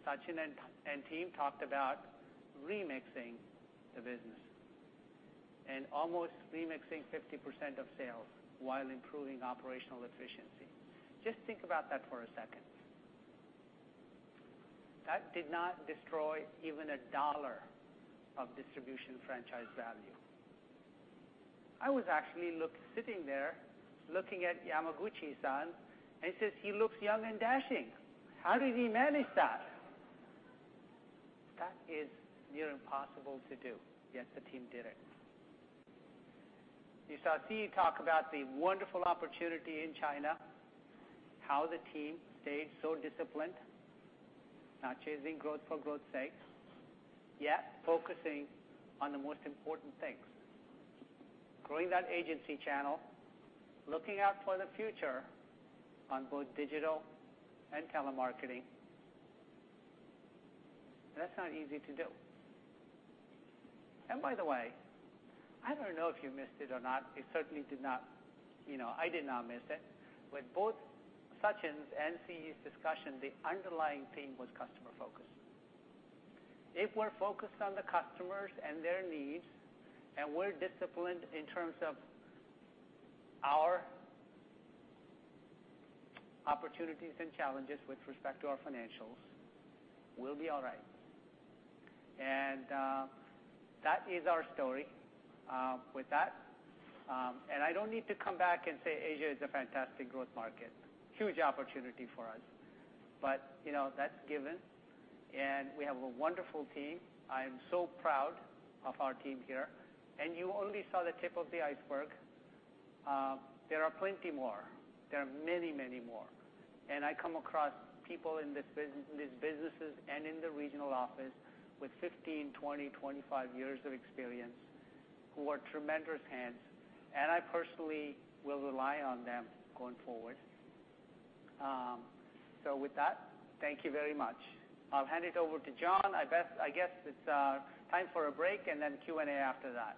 Sachin and team talked about remixing the business and almost remixing 50% of sales while improving operational efficiency. Just think about that for a second. That did not destroy even a dollar of distribution franchise value. I was actually sitting there looking at Yamaguchi-san, and he says he looks young and dashing. How did he manage that? That is near impossible to do. Yet the team did it. You saw Siyi talk about the wonderful opportunity in China, how the team stayed so disciplined, not chasing growth for growth's sake, yet focusing on the most important things. Growing that agency channel, looking out for the future on both digital and telemarketing. That's not easy to do. By the way, I don't know if you missed it or not, I did not miss it. With both Sachin's and Siyi's discussion, the underlying theme was customer focus. If we're focused on the customers and their needs, and we're disciplined in terms of our opportunities and challenges with respect to our financials, we'll be all right. That is our story. With that, and I don't need to come back and say Asia is a fantastic growth market. Huge opportunity for us. That's given, and we have a wonderful team. I am so proud of our team here, and you only saw the tip of the iceberg. There are plenty more. There are many, many more. I come across people in these businesses and in the regional office with 15, 20, 25 years of experience who are tremendous hands, and I personally will rely on them going forward. With that, thank you very much. I'll hand it over to John. I guess it's time for a break and then Q&A after that.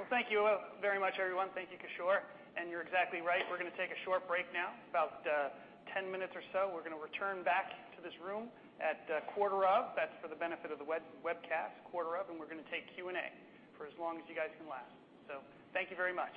Well, thank you very much, everyone. Thank you, Kishore. You're exactly right. We're going to take a short break now, about 10 minutes or so. We're going to return back to this room at quarter of. That's for the benefit of the webcast. We're going to take Q&A for as long as you guys can last. Thank you very much.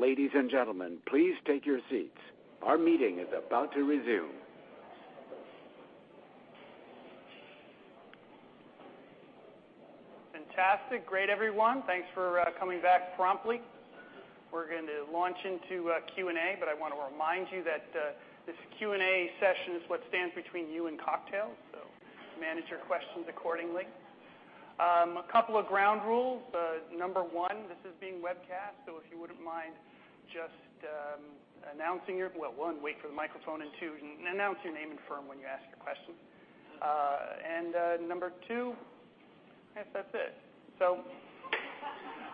Ladies and gentlemen, please take your seats. Our meeting is about to resume. Fantastic. Great, everyone. Thanks for coming back promptly. We're going to launch into Q&A, I want to remind you that this Q&A session is what stands between you and cocktails, manage your questions accordingly. A couple of ground rules. Number one, this is being webcast, if you wouldn't mind just one, wait for the microphone, and two, announce your name and firm when you ask your question. Number two, I guess that's it.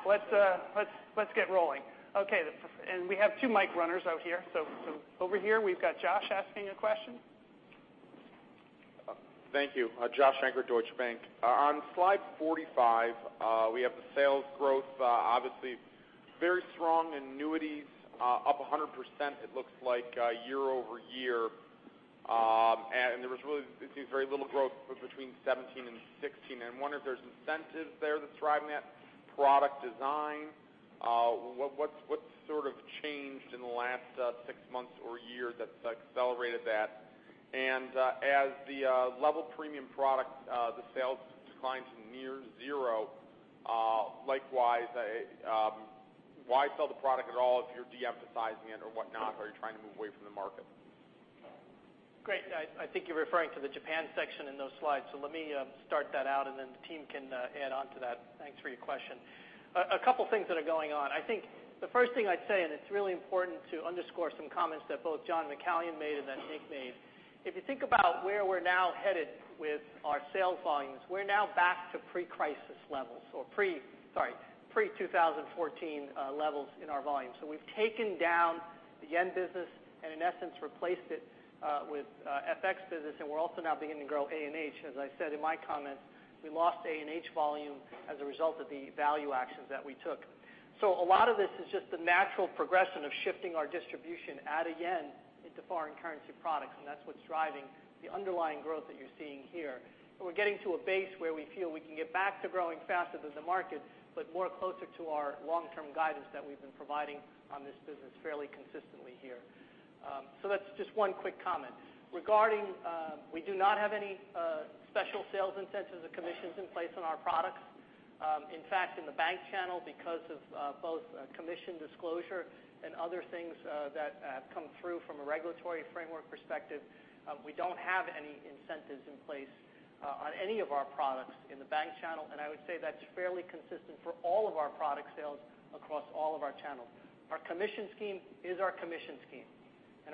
Let's get rolling. Okay. We have two mic runners out here. Over here, we've got Josh asking a question. Thank you. Josh Shanker, Deutsche Bank. On slide 45, we have the sales growth, obviously very strong, annuities up 100%, it looks like, year-over-year. There was really, it seems, very little growth between 2017 and 2016. I wonder if there's incentives there that's driving that product design. What's sort of changed in the last six months or a year that's accelerated that? As the level premium product the sales declines near zero, likewise, why sell the product at all if you're de-emphasizing it or whatnot? Are you trying to move away from the market? Great. I think you're referring to the Japan section in those slides. Let me start that out, and then the team can add on to that. Thanks for your question. A couple things that are going on. I think the first thing I'd say, and it's really important to underscore some comments that both John McCallion made and then Nick made. If you think about where we're now headed with our sales volumes, we're now back to pre-crisis levels or pre-2014 levels in our volumes. We've taken down the JPY business and, in essence, replaced it with FX business, and we're also now beginning to grow A&H. As I said in my comments, we lost A&H volume as a result of the value actions that we took. A lot of this is just the natural progression of shifting our distribution out of JPY into foreign currency products, and that's what's driving the underlying growth that you're seeing here. We're getting to a base where we feel we can get back to growing faster than the market, but more closer to our long-term guidance that we've been providing on this business fairly consistently here. That's just one quick comment. Regarding, we do not have any special sales incentives or commissions in place on our products. In fact, in the bank channel, because of both commission disclosure and other things that have come through from a regulatory framework perspective, we don't have any incentives in place on any of our products in the bank channel. I would say that's fairly consistent for all of our product sales across all of our channels. Our commission scheme is our commission scheme,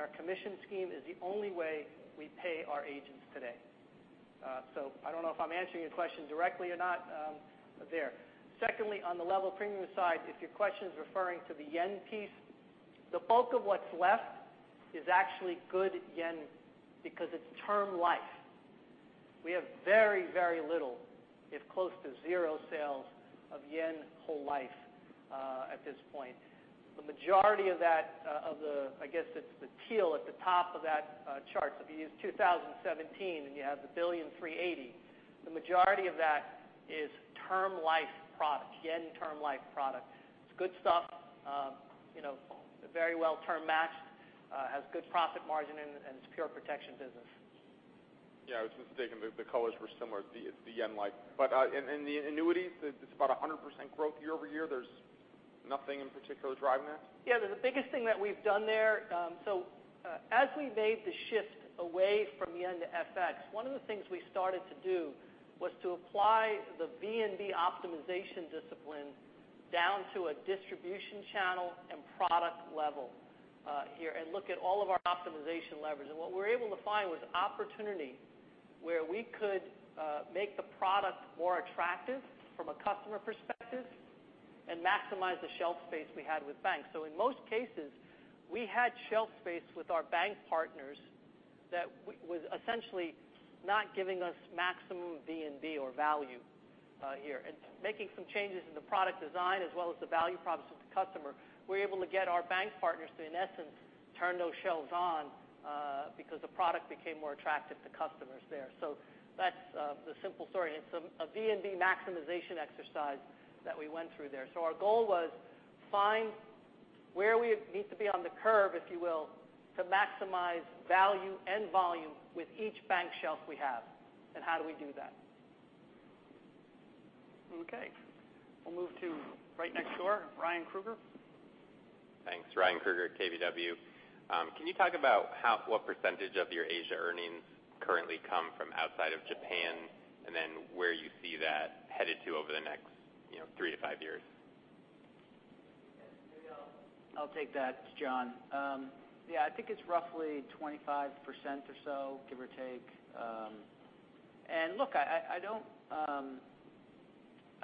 our commission scheme is the only way we pay our agents today. I don't know if I'm answering your question directly or not there. Secondly, on the level premium side, if your question's referring to the JPY piece, the bulk of what's left is actually good JPY because it's term life. We have very little, if close to zero sales of JPY whole life at this point. The majority of that, I guess it's the teal at the top of that chart. If you use 2017 and you have the $1.38 billion, the majority of that is term life product, JPY term life product. It's good stuff. Very well term matched, has good profit margin, it's pure protection business. I was mistaken. The colors were similar. It's the yen life. In the annuities, it's about 100% growth year-over-year. There's nothing in particular driving that? Yeah, the biggest thing that we've done there, as we made the shift away from yen to FX, one of the things we started to do was to apply the VNB optimization discipline down to a distribution channel and product level here, and look at all of our optimization levers. What we were able to find was opportunity where we could make the product more attractive from a customer perspective and maximize the shelf space we had with banks. In most cases, we had shelf space with our bank partners that was essentially not giving us maximum VNB or value here. Making some changes in the product design as well as the value proposition to the customer, we were able to get our bank partners to, in essence, turn those shelves on because the product became more attractive to customers there. That's the simple story. It's a VNB maximization exercise that we went through there. Our goal was find where we need to be on the curve, if you will, to maximize value and volume with each bank shelf we have, and how do we do that. Okay. We'll move to right next door, Ryan Krueger. Thanks. Ryan Krueger at KBW. Can you talk about what percentage of your Asia earnings currently come from outside of Japan, and where you see that headed to over the next 3-5 years? I'll take that, John. Yeah, I think it's roughly 25% or so, give or take. Look,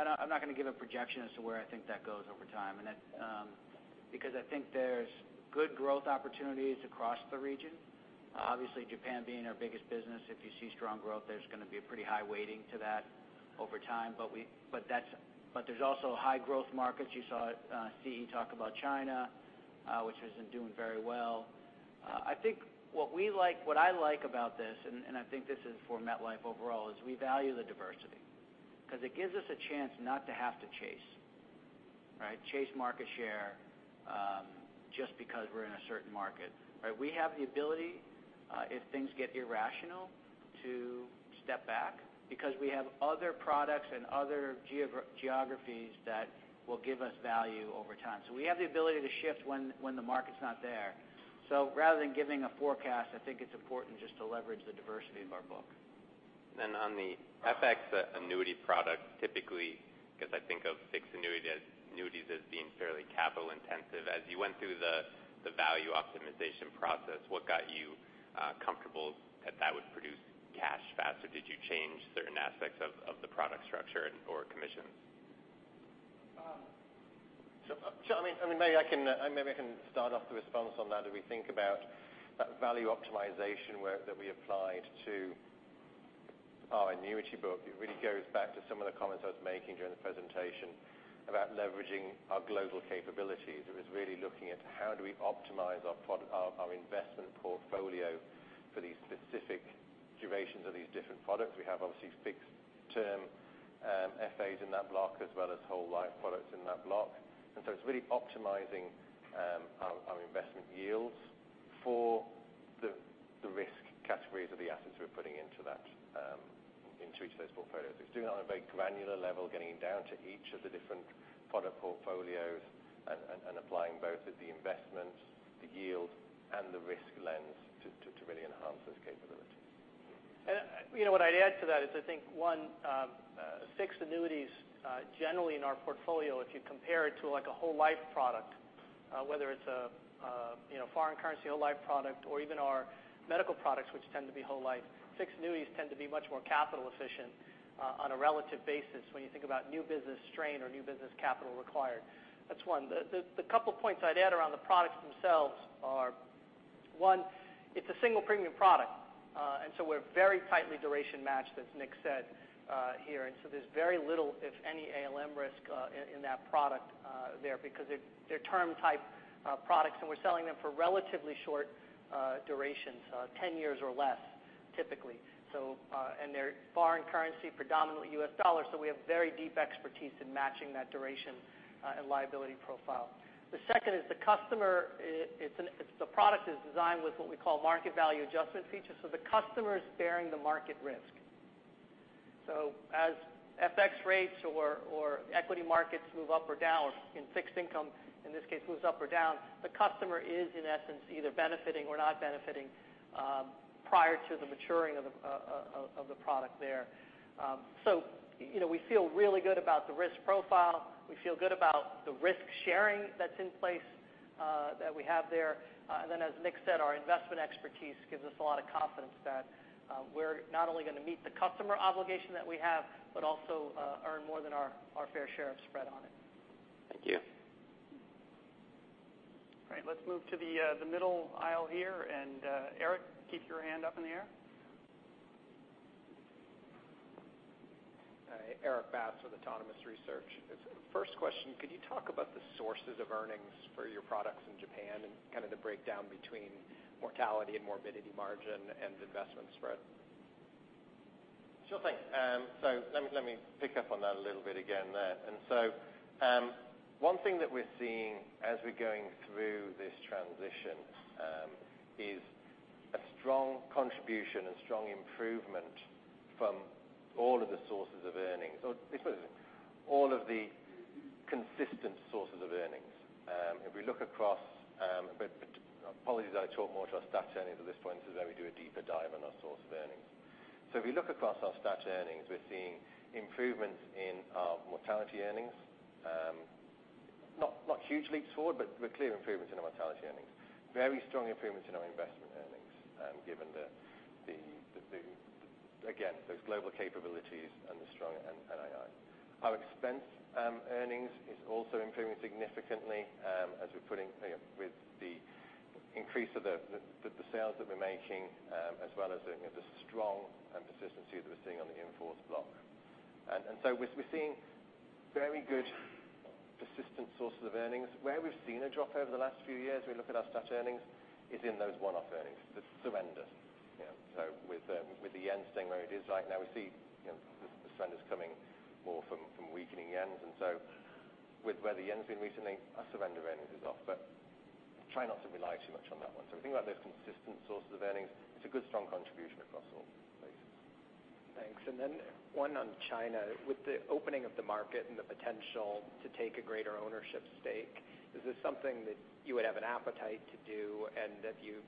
I'm not going to give a projection as to where I think that goes over time, because I think there's good growth opportunities across the region. Obviously, Japan being our biggest business, if you see strong growth, there's going to be a pretty high weighting to that over time. There's also high growth markets. You saw Siyi talk about China, which has been doing very well. I think what I like about this, and I think this is for MetLife overall, is we value the diversity because it gives us a chance not to have to chase, right? Chase market share just because we're in a certain market. We have the ability, if things get irrational, to step back because we have other products and other geographies that will give us value over time. We have the ability to shift when the market's not there. Rather than giving a forecast, I think it's important just to leverage the diversity of our book. On the FX annuity product, typically, because I think of fixed annuities as being fairly capital intensive, as you went through the value optimization process, what got you comfortable that that would produce cash faster? Did you change certain aspects of the product structure or commissions? maybe I can start off the response on that as we think about that value optimization work that we applied to our annuity book. It really goes back to some of the comments I was making during the presentation about leveraging our global capabilities. It was really looking at how do we optimize our investment portfolio for these specific durations of these different products. We have, obviously, fixed term FAs in that block, as well as whole life products in that block. It's really optimizing our investment yields for the risk categories of the assets we're putting into each of those portfolios. It's doing it on a very granular level, getting down to each of the different product portfolios and applying both the investment, the yield, and the risk lens to really enhance those capabilities. What I'd add to that is I think, one, fixed annuities generally in our portfolio, if you compare it to a whole life product whether it's a foreign currency whole life product or even our medical products, which tend to be whole life, fixed annuities tend to be much more capital efficient on a relative basis when you think about new business strain or new business capital required. That's one. The couple points I'd add around the products themselves are, one, it's a single premium product. We're very tightly duration matched, as Nick said here. There's very little, if any, ALM risk in that product there, because they're term type products, and we're selling them for relatively short durations 10 years or less, typically. They're foreign currency, predominantly U.S. dollar, so we have very deep expertise in matching that duration and liability profile. The second is the product is designed with what we call market value adjustment features, the customer is bearing the market risk. As FX rates or equity markets move up or down, or in fixed income, in this case, moves up or down, the customer is, in essence, either benefiting or not benefiting prior to the maturing of the product there. We feel really good about the risk profile. We feel good about the risk sharing that's in place that we have there. As Nick said, our investment expertise gives us a lot of confidence that we're not only going to meet the customer obligation that we have, but also earn more than our fair share of spread on it. Thank you. Great. Let's move to the middle aisle here. Erik, keep your hand up in the air. Hi. Erik Bass with Autonomous Research. First question, could you talk about the sources of earnings for your products in Japan and the breakdown between mortality and morbidity margin and investment spread? Sure thing. Let me pick up on that a little bit again there. One thing that we're seeing as we're going through this transition is a strong contribution and strong improvement from all of the sources of earnings. Excuse me, all of the consistent sources of earnings. Apologies that I talked more to our statutory earnings at this point. This is where we do a deeper dive on our source of earnings. If we look across our statutory earnings, we're seeing improvements in our mortality earnings. Not huge leaps forward, but clear improvements in our mortality earnings. Very strong improvements in our investment earnings, given the, again, those global capabilities and the strong NII. Our expense earnings is also improving significantly with the increase of the sales that we're making, as well as the strong consistency that we're seeing on the in-force block. We're seeing very good persistent sources of earnings. Where we've seen a drop over the last few years, we look at our statutory earnings, is in those one-off earnings. The surrender. With the yen staying where it is right now, we see the surrenders coming more from weakening yens. Where the yen's been weakening, our surrender earnings is off, but try not to rely too much on that one. If we think about those consistent sources of earnings, it's a good strong contribution across all places. Thanks. One on China. With the opening of the market and the potential to take a greater ownership stake, is this something that you would have an appetite to do? If you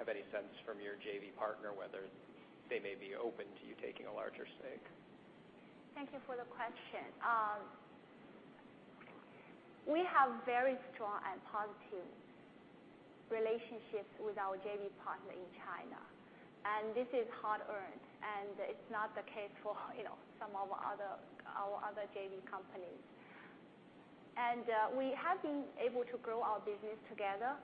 have any sense from your JV partner whether they may be open to you taking a larger stake? Thank you for the question. We have very strong and positive relationships with our JV partner in China, and this is hard earned, and it's not the case for some of our other JV companies. We have been able to grow our business together.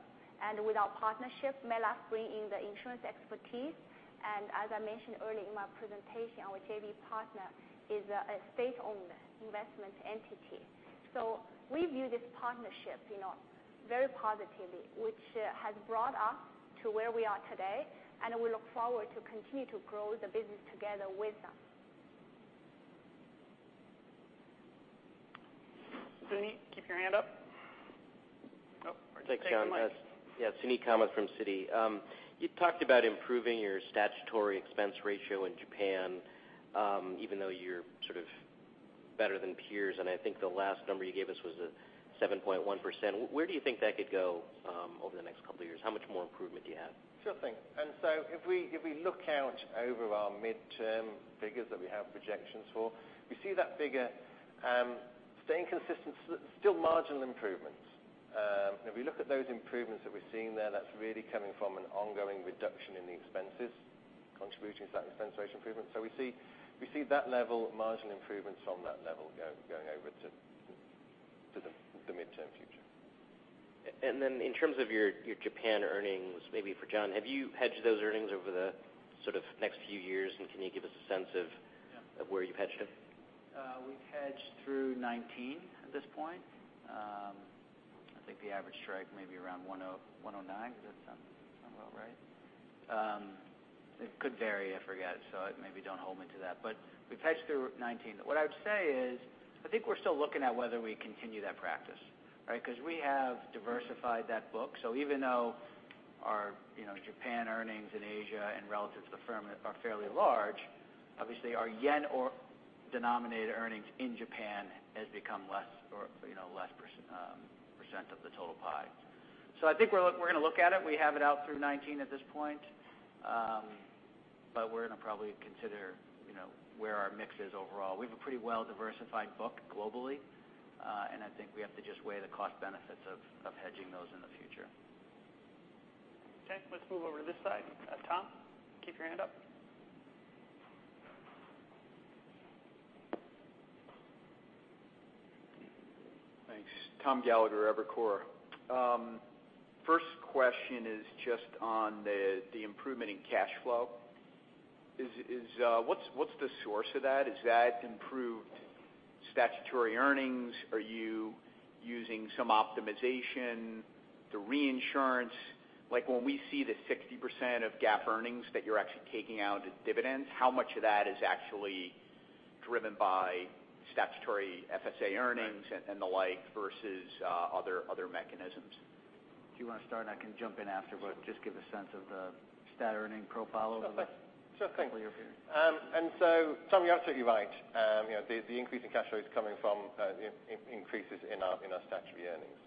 With our partnership, MetLife bring in the insurance expertise. As I mentioned earlier in my presentation, our JV partner is a state-owned investment entity. We view this partnership very positively, which has brought us to where we are today, and we look forward to continue to grow the business together with them. Suneet, keep your hand up. Take the mic. Thanks, John. Suneet Kamath from Citi. You talked about improving your statutory expense ratio in Japan, even though you're better than peers, and I think the last number you gave us was a 7.1%. Where do you think that could go over the next couple of years? How much more improvement do you have? Sure thing. If we look out over our midterm figures that we have projections for, we see that figure staying consistent. Still marginal improvements. If we look at those improvements that we are seeing there, that is really coming from an ongoing reduction in the expenses, contributing to that expense ratio improvement. We see that level of marginal improvements from that level going over to the midterm future. In terms of your Japan earnings, maybe for John, have you hedged those earnings over the next few years? Can you give us a sense of where you've hedged them? We've hedged through 2019 at this point. I think the average strike may be around 109. Does that sound about right? It could vary. I forget. Maybe don't hold me to that. We've hedged through 2019. What I would say is, I think we're still looking at whether we continue that practice. We have diversified that book. Even though our Japan earnings in Asia and relative to the firm are fairly large, obviously our yen-denominated earnings in Japan has become less % of the total pie. I think we're going to look at it. We have it out through 2019 at this point. We're going to probably consider where our mix is overall. We have a pretty well diversified book globally. I think we have to just weigh the cost benefits of hedging those in the future. Okay. Let's move over to this side. Tom, keep your hand up. Thanks. Tom Gallagher, Evercore. First question is just on the improvement in cash flow. What's the source of that? Is that improved statutory earnings? Are you using some optimization to reinsurance? Like when we see the 60% of GAAP earnings that you're actually taking out as dividends, how much of that is actually driven by statutory FSA earnings and the like versus other mechanisms? Do you want to start, and I can jump in afterward, just give a sense of the stat earning profile over the couple year period. Sure thing. Tom, you're absolutely right. The increase in cash flow is coming from increases in our statutory earnings.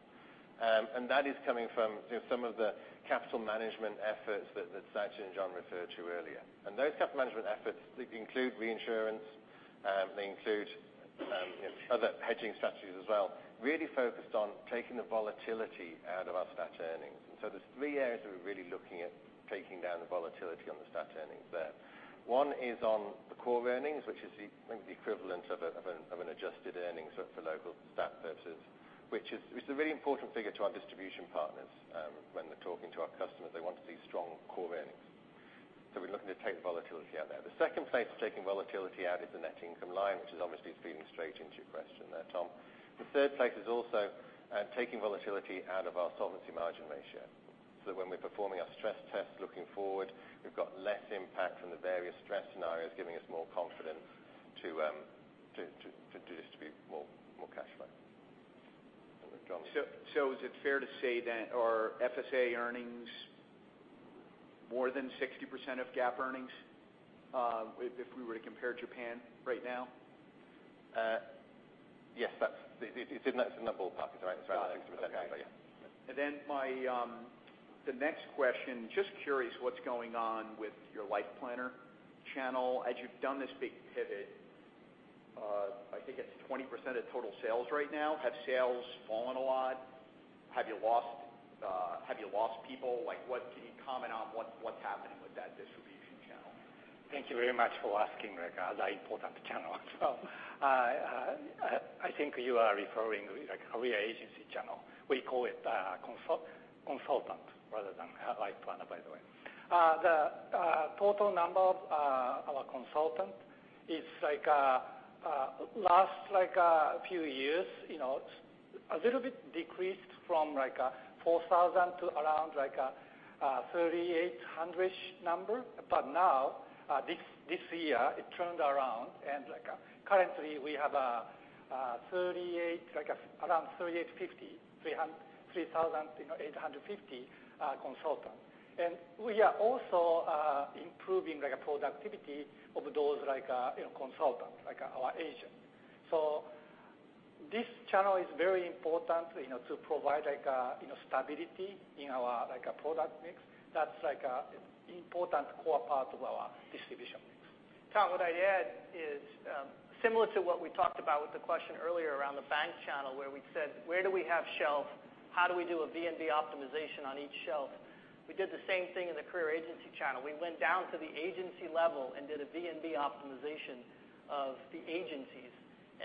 That is coming from some of the capital management efforts that Sachin and John referred to earlier. Those capital management efforts include reinsurance, they include other hedging strategies as well, really focused on taking the volatility out of our stat earnings. There's three areas that we're really looking at taking down the volatility on the stat earnings there. One is on the core earnings, which is the equivalent of an adjusted earnings for local stat purposes, which is a really important figure to our distribution partners. When they're talking to our customers, they want to see strong core earnings. We're looking to take the volatility out there. The second place of taking volatility out is the net income line, which is obviously feeding straight into your question there, Tom. The third place is also taking volatility out of our solvency margin ratio. That when we're performing our stress test looking forward, we've got less impact from the various stress scenarios, giving us more confidence to distribute more cash flow. Over to John. Is it fair to say, are FSA earnings more than 60% of GAAP earnings, if we were to compare Japan right now? Yes. It's in that ballpark. It's around 60%, but yeah. Okay. The next question, just curious what's going on with your life planner channel. As you've done this big pivot, I think it's 20% of total sales right now. Have sales fallen a lot? Have you lost people? Can you comment on what's happening with that distribution channel? Thank you very much for asking it. That important channel as well. I think you are referring like career agency channel. We call it consultant rather than life planner, by the way. The total number of our consultant is last few years, a little bit decreased from 4,000 to around 3,800-ish number. Now, this year, it turned around and currently we have around 3,850 consultants. We are also improving productivity of those consultants, our agents. This channel is very important to provide stability in our product mix. That's important core part of our distribution mix. Tom, what I'd add is similar to what we talked about with the question earlier around the bank channel where we said, "Where do we have shelf? How do we do a V and V optimization on each shelf?" We did the same thing in the career agency channel. We went down to the agency level and did a V and V optimization of the agencies.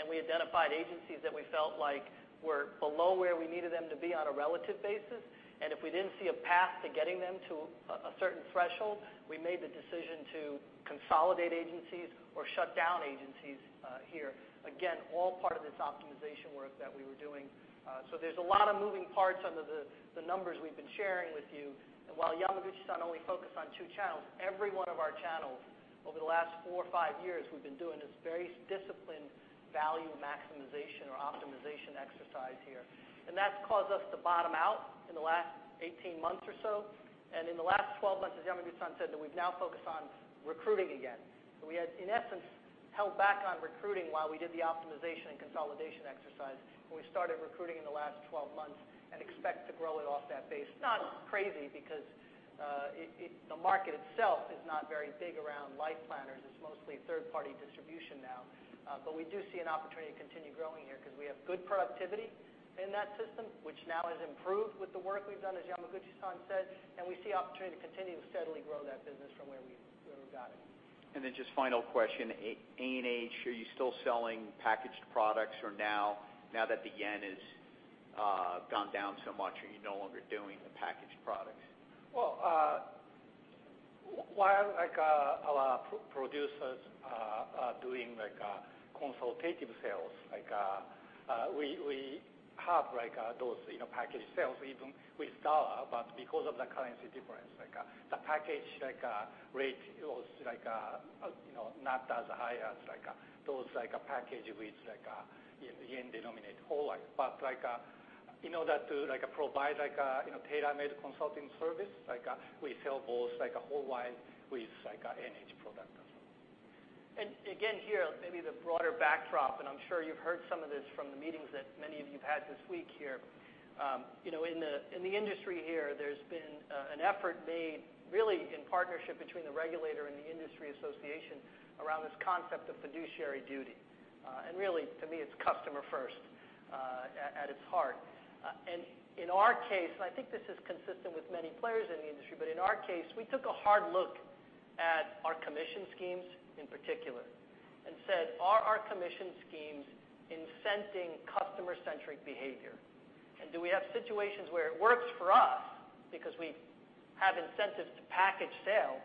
We identified agencies that we felt like were below where we needed them to be on a relative basis. If we didn't see a path to getting them to a certain threshold, we made the decision to consolidate agencies or shut down agencies here. Again, all part of this optimization work that we were doing. There's a lot of moving parts under the numbers we've been sharing with you. While Yamaguchi-san only focused on two channels, every one of our channels over the last four or five years we've been doing this very disciplined value maximization or optimization exercise here. That's caused us to bottom out in the last 18 months or so. In the last 12 months, as Yamaguchi-san said, that we've now focused on recruiting again. We had, in essence, held back on recruiting while we did the optimization and consolidation exercise. We started recruiting in the last 12 months and expect to grow it off that base. Not crazy because the market itself is not very big around life planners. It's mostly third-party distribution now. We do see an opportunity to continue growing here because we have good productivity in that system, which now has improved with the work we've done, as Yamaguchi-san said. We see opportunity to continue to steadily grow that business from where we've got it. Just final question. A&H, are you still selling packaged products, or now that the yen has gone down so much, are you no longer doing the packaged products? While our producers are doing consultative sales, we have those packaged sales even with U.S. dollar. Because of the currency difference, the package rate was not as high as those package with JPY-denominated whole life. In order to provide a tailor-made consulting service, we sell both whole life with A&H product as well. Again, here, maybe the broader backdrop, and I'm sure you've heard some of this from the meetings that many of you've had this week here. In the industry here, there's been an effort made really in partnership between the regulator and the industry association around this concept of fiduciary duty. Really, to me, it's customer first at its heart. In our case, and I think this is consistent with many players in the industry, but in our case, we took a hard look at our commission schemes in particular and said, "Are our commission schemes incenting customer-centric behavior? Do we have situations where it works for us because we have incentives to package sale,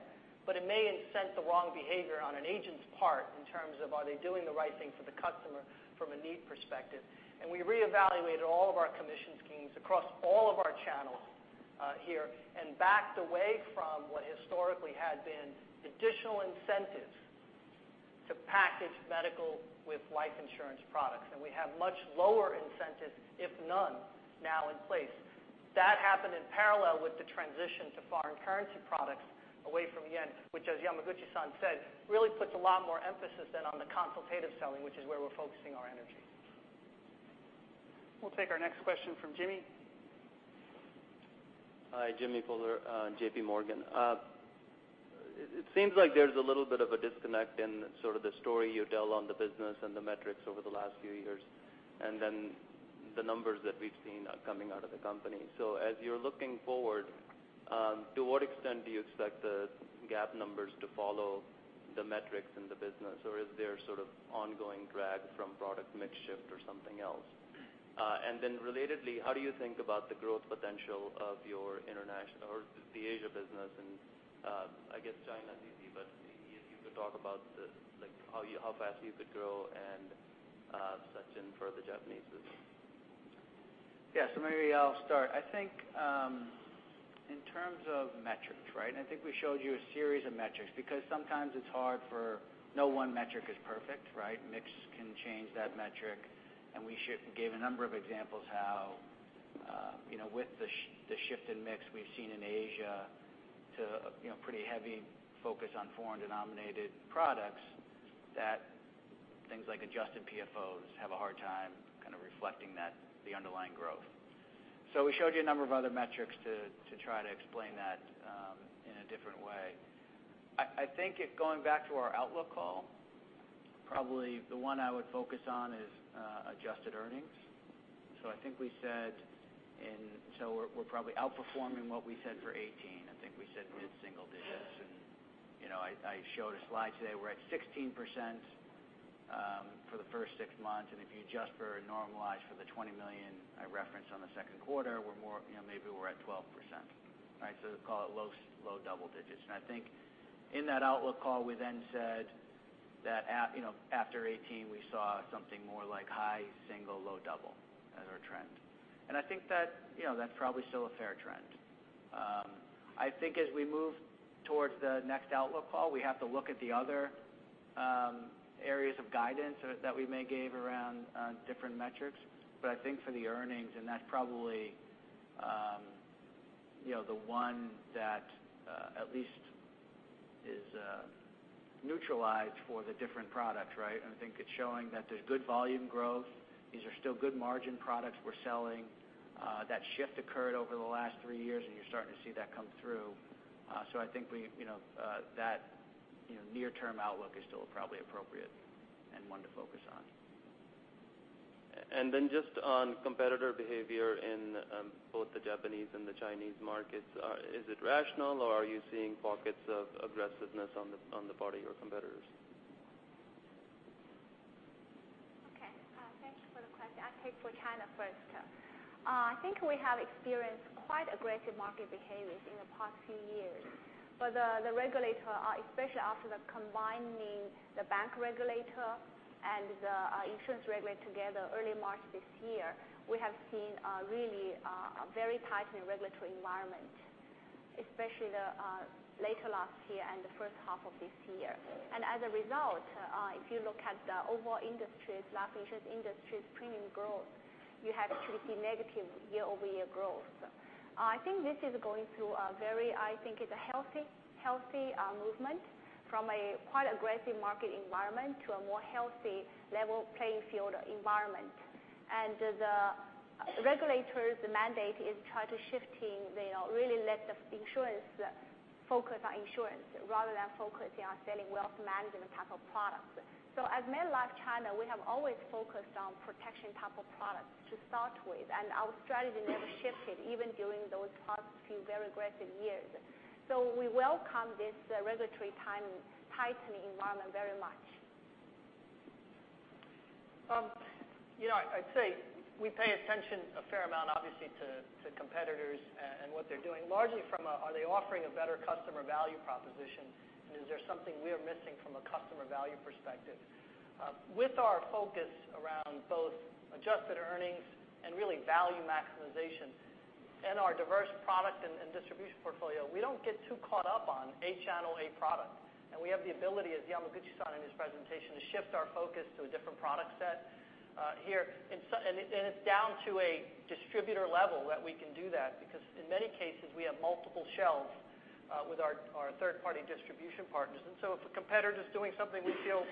but it may incent the wrong behavior on an agent's part in terms of are they doing the right thing for the customer from a need perspective?" We reevaluated all of our commission schemes across all of our channels here and backed away from what historically had been additional incentives to package medical with life insurance products. We have much lower incentives, if none, now in place. That happened in parallel with the transition to foreign currency products away from JPY, which as Yamaguchi-san said, really puts a lot more emphasis then on the consultative selling, which is where we're focusing our energy. We'll take our next question from Jimmy. Hi, Jimmy Bhullar, JPMorgan. It seems like there's a little bit of a disconnect in the story you tell on the business and the metrics over the last few years, and then the numbers that we've seen are coming out of the company. As you're looking forward, to what extent do you expect the GAAP numbers to follow the metrics in the business, or is there sort of ongoing drag from product mix shift or something else? Then relatedly, how do you think about the growth potential of your international or the Asia business? I guess China is easy, but if you could talk about how fast you could grow and such in further Japanese business. Yeah. Maybe I'll start. I think, in terms of metrics, I think we showed you a series of metrics because sometimes it's hard for no one metric is perfect, right? Mix can change that metric, and we gave a number of examples how with the shift in mix we've seen in Asia to pretty heavy focus on foreign-denominated products, that things like adjusted PFOs have a hard time kind of reflecting the underlying growth. We showed you a number of other metrics to try to explain that in a different way. I think going back to our outlook call, probably the one I would focus on is adjusted earnings. I think we said we're probably outperforming what we said for 2018. I think we said mid-single digits, and I showed a slide today, we're at 16% for the first six months, and if you adjust for or normalize for the $20 million I referenced on the second quarter, maybe we're at 12%. Call it low double digits. I think in that outlook call, we then said that after 2018, we saw something more like high single, low double as our trend. I think that's probably still a fair trend. I think as we move towards the next outlook call, we have to look at the other areas of guidance that we may give around different metrics. I think for the earnings, that's probably the one that at least is neutralized for the different products. I think it's showing that there's good volume growth. These are still good margin products we're selling. That shift occurred over the last three years, and you're starting to see that come through. I think that near-term outlook is still probably appropriate and one to focus on. Then just on competitor behavior in both the Japanese and the Chinese markets, is it rational or are you seeing pockets of aggressiveness on the part of your competitors? Thank you for the question. I'll take for China first. I think we have experienced quite aggressive market behaviors in the past few years. The regulator, especially after the combining the bank regulator and the insurance regulator together early March this year, we have seen a really very tightening regulatory environment, especially later last year and the first half of this year. As a result, if you look at the overall life insurance industry's premium growth, you have actually seen negative year-over-year growth. I think this is going through a very healthy movement from a quite aggressive market environment to a more healthy level playing field environment. The regulator's mandate is try to shifting, really let the insurance focus on insurance rather than focusing on selling wealth management type of products. At MetLife China, we have always focused on protection type of products to start with, our strategy never shifted even during those past few very aggressive years. We welcome this regulatory tightening environment very much. I'd say we pay attention a fair amount, obviously, to competitors and what they're doing, largely from, are they offering a better customer value proposition and is there something we are missing from a customer value perspective? With our focus around both adjusted earnings and really value maximization and our diverse product and distribution portfolio, we don't get too caught up on a channel, a product. We have the ability, as Yamaguchi-san in his presentation, to shift our focus to a different product set here. It's down to a distributor level that we can do that because in many cases, we have multiple shelves with our third-party distribution partners. If a competitor's doing something we feel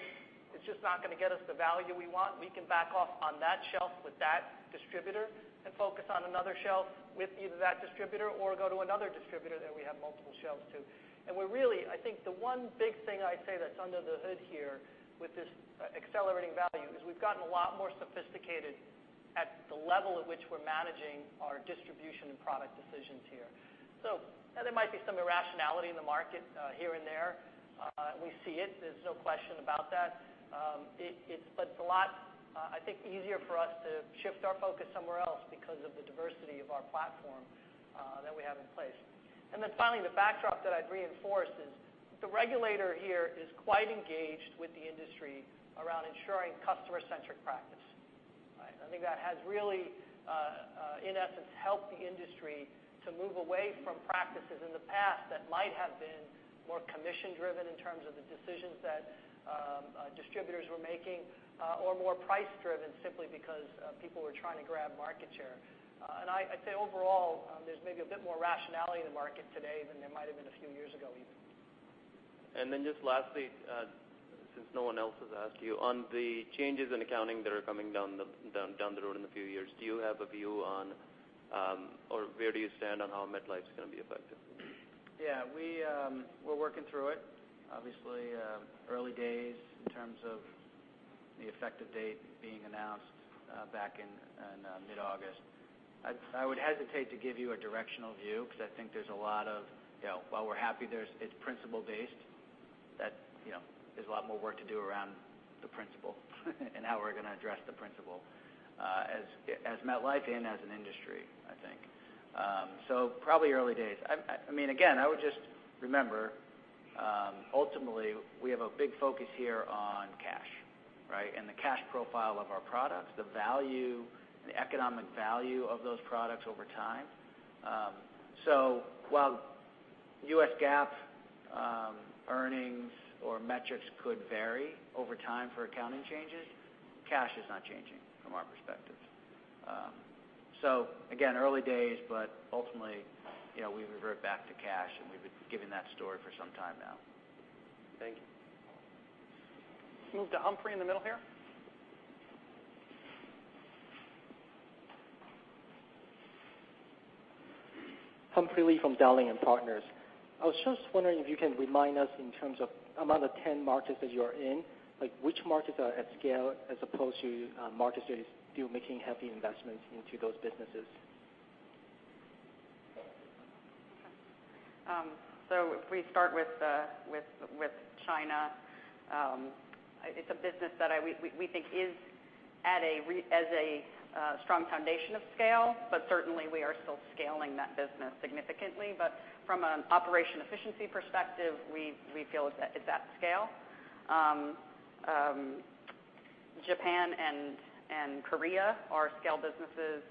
it's just not going to get us the value we want, we can back off on that shelf with that distributor and focus on another shelf with either that distributor or go to another distributor that we have multiple shelves to. I think the one big thing I'd say that's under the hood here with this accelerating value is we've gotten a lot more sophisticated at the level at which we're managing our distribution and product decisions here. There might be some irrationality in the market here and there. We see it. There's no question about that. It's a lot, I think, easier for us to shift our focus somewhere else because of the diversity of our platform that we have in place. Finally, the backdrop that I'd reinforce is the regulator here is quite engaged with the industry around ensuring customer-centric practice. I think that has really, in essence, helped the industry to move away from practices in the past that might have been more commission-driven in terms of the decisions that distributors were making or more price-driven simply because people were trying to grab market share. I'd say overall, there's maybe a bit more rationality in the market today than there might've been a few years ago even. Just lastly. Since no one else has asked you, on the changes in accounting that are coming down the road in a few years, do you have a view on, or where do you stand on how MetLife's going to be affected? Yeah. We're working through it. Obviously, early days in terms of the effective date being announced back in mid-August. I would hesitate to give you a directional view, because I think while we're happy it's principle-based, there's a lot more work to do around the principle and how we're going to address the principle, as MetLife and as an industry, I think. Probably early days. Again, I would just remember, ultimately, we have a big focus here on cash. Right? The cash profile of our products, the economic value of those products over time. While U.S. GAAP earnings or metrics could vary over time for accounting changes, cash is not changing, from our perspective. Again, early days, but ultimately, we revert back to cash, and we've been giving that story for some time now. Thank you. Move to Humphrey in the middle here. Humphrey Lee from Dowling & Partners. I was just wondering if you can remind us in terms of among the 10 markets that you are in, which markets are at scale as opposed to markets that are still making heavy investments into those businesses? If we start with China, it's a business that we think is at a strong foundation of scale, but certainly we are still scaling that business significantly. From an operation efficiency perspective, we feel it's at scale. Japan and Korea are scale businesses,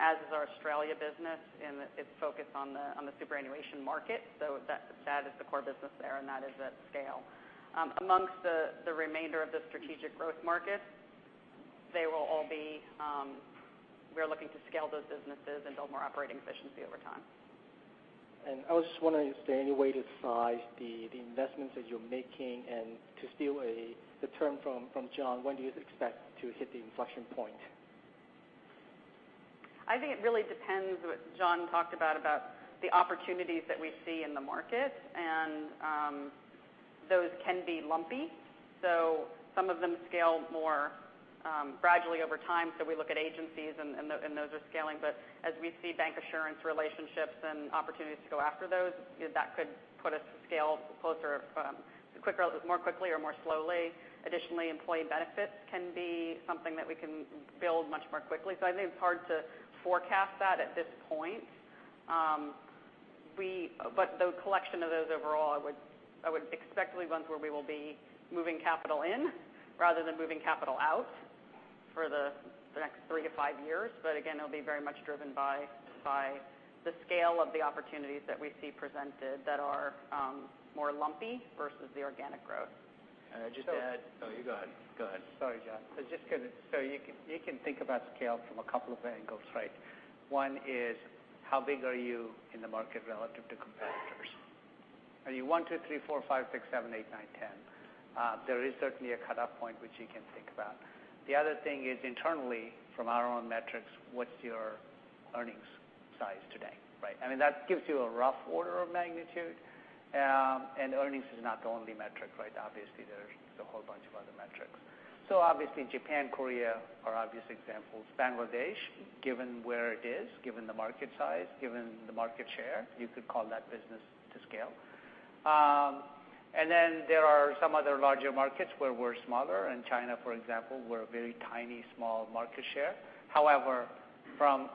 as is our Australia business in its focus on the superannuation market. That is the core business there, and that is at scale. Amongst the remainder of the strategic growth markets, we're looking to scale those businesses and build more operating efficiency over time. I was just wondering if there's any way to size the investments that you're making and to steal the term from John, when do you expect to hit the inflection point? I think it really depends what John talked about the opportunities that we see in the market, and those can be lumpy. Some of them scale more gradually over time. We look at agencies, and those are scaling. As we see bancassurance relationships and opportunities to go after those, that could put us to scale more quickly or more slowly. Additionally, employee benefits can be something that we can build much more quickly. I think it's hard to forecast that at this point. The collection of those overall, I would expect will be ones where we will be moving capital in rather than moving capital out for the next three to five years. Again, it'll be very much driven by the scale of the opportunities that we see presented that are more lumpy versus the organic growth. Can I just add? So- Oh, you go ahead. Go ahead. Sorry, John. You can think about scale from a couple of angles, right? One is how big are you in the market relative to competitors? Are you one, two, three, four, five, six, seven, eight, nine, 10? There is certainly a cut-off point which you can think about. The other thing is internally, from our own metrics, what's your earnings size today, right? That gives you a rough order of magnitude. Earnings is not the only metric, right? Obviously, there's a whole bunch of other metrics. Obviously, Japan, Korea are obvious examples. Bangladesh, given where it is, given the market size, given the market share, you could call that business to scale. Then there are some other larger markets where we're smaller. In China, for example, we're a very tiny, small market share. However, from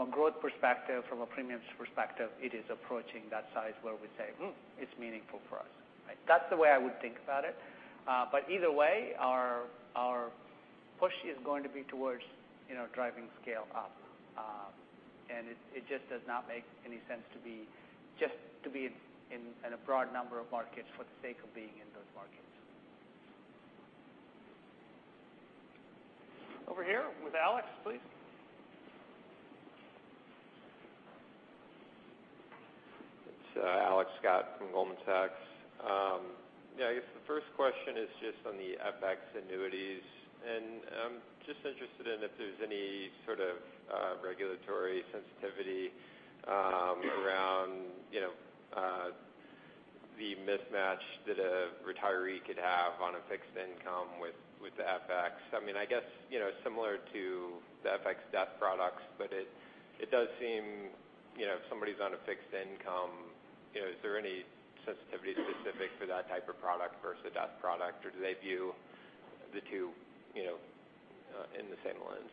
a growth perspective, from a premiums perspective, it is approaching that size where we say, "Hmm, it's meaningful for us." Right? That's the way I would think about it. Either way, our push is going to be towards driving scale up. It just does not make any sense to be in a broad number of markets for the sake of being in those markets. Over here with Alex, please. It's Alex Scott from Goldman Sachs. I guess the first question is just on the FX annuities. I'm just interested in if there's any sort of regulatory sensitivity around the mismatch that a retiree could have on a fixed income with the FX. I guess similar to the FX death products, but it does seem if somebody's on a fixed income, is there any sensitivity specific for that type of product versus a death product, or do they view the two in the same lens?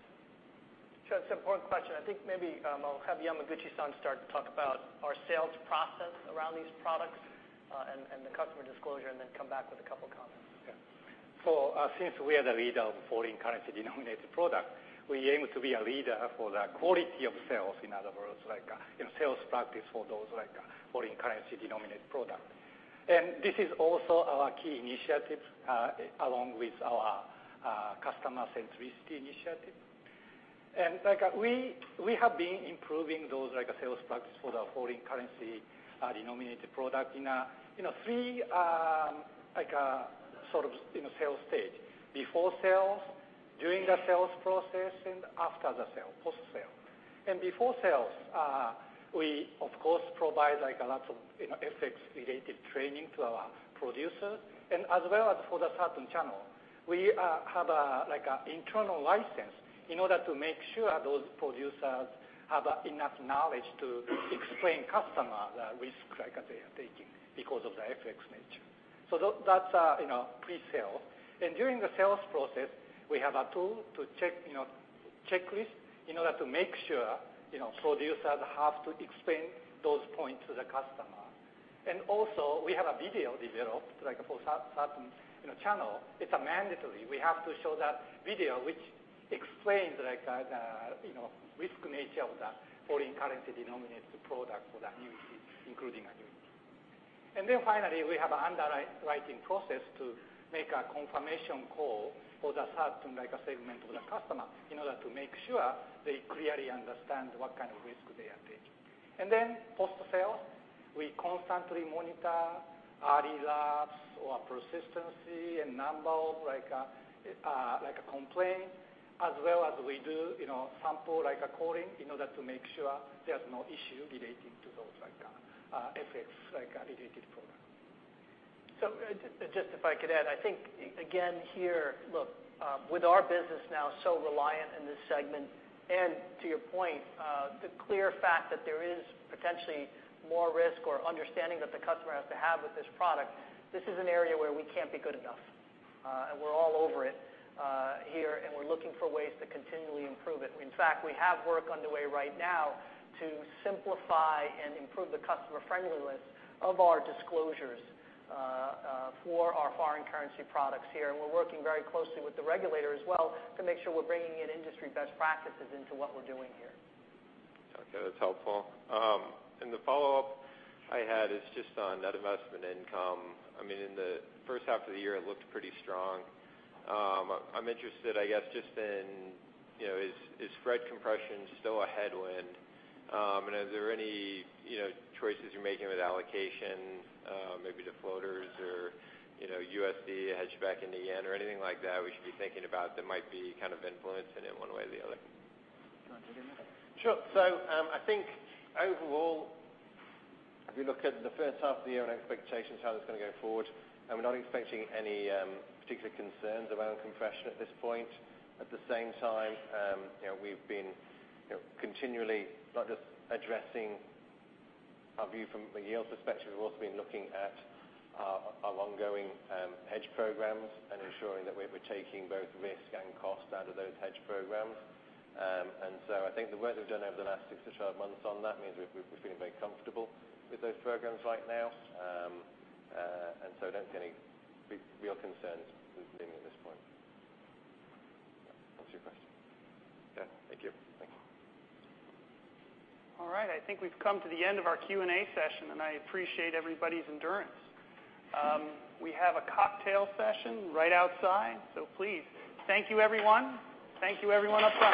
Sure. It's an important question. I think maybe I'll have Yamaguchi-san start to talk about our sales process around these products, and the customer disclosure, and then come back with a couple comments. Yeah. Since we are the leader of foreign currency denominated product, we aim to be a leader for the quality of sales. In other words, like in sales practice for those foreign currency denominated product. This is also our key initiative, along with our customer centricity initiative. We have been improving those sales products for the foreign currency denominated product in 3 sales stage. Before sales, during the sales process, and after the sale, post-sale. Before sales, we of course provide lots of FX-related training to our producers and as well as for the certain channel. We have an internal license in order to make sure those producers have enough knowledge to explain customer the risk they are taking because of the FX nature. That's pre-sale. During the sales process, we have a tool to check, checklist, in order to make sure producers have to explain those points to the customer. Also we have a video developed, like for certain channel. It's a mandatory. We have to show that video which explains the risk nature of the foreign currency denominated product for that unit, including a unit. Then finally, we have underwriting process to make a confirmation call for the certain segment of the customer in order to make sure they clearly understand what kind of risk they are taking. Then post-sale, we constantly monitor lapse rates or persistency and number of complaints, as well as we do sample calling in order to make sure there's no issue relating to those FX-related product. Just if I could add, I think, again here, look, with our business now so reliant in this segment and to your point, the clear fact that there is potentially more risk or understanding that the customer has to have with this product, this is an area where we can't be good enough. We're all over it here, and we're looking for ways to continually improve it. In fact, we have work underway right now to simplify and improve the customer friendliness of our disclosures for our foreign currency products here. We're working very closely with the regulator as well to make sure we're bringing in industry best practices into what we're doing here. Okay, that's helpful. The follow-up I had is just on that investment income. In the first half of the year, it looked pretty strong. I'm interested, I guess, just in is spread compression still a headwind? Are there any choices you're making with allocation maybe to floaters or USD hedge back into JPY or anything like that we should be thinking about that might be kind of influencing it one way or the other? Do you want to take it? Sure. I think overall, if you look at the first half of the year and expectations how that's going to go forward, we're not expecting any particular concerns around compression at this point. At the same time, we've been continually not just addressing our view from a yield perspective. We've also been looking at our ongoing hedge programs and ensuring that we're taking both risk and cost out of those hedge programs. I think the work we've done over the last 6-12 months on that means we're feeling very comfortable with those programs right now. I don't see any real concerns with leaning at this point. That answers your question. Yeah. Thank you. Thank you. All right, I think we've come to the end of our Q&A session, and I appreciate everybody's endurance. We have a cocktail session right outside, so please. Thank you, everyone. Thank you, everyone up front.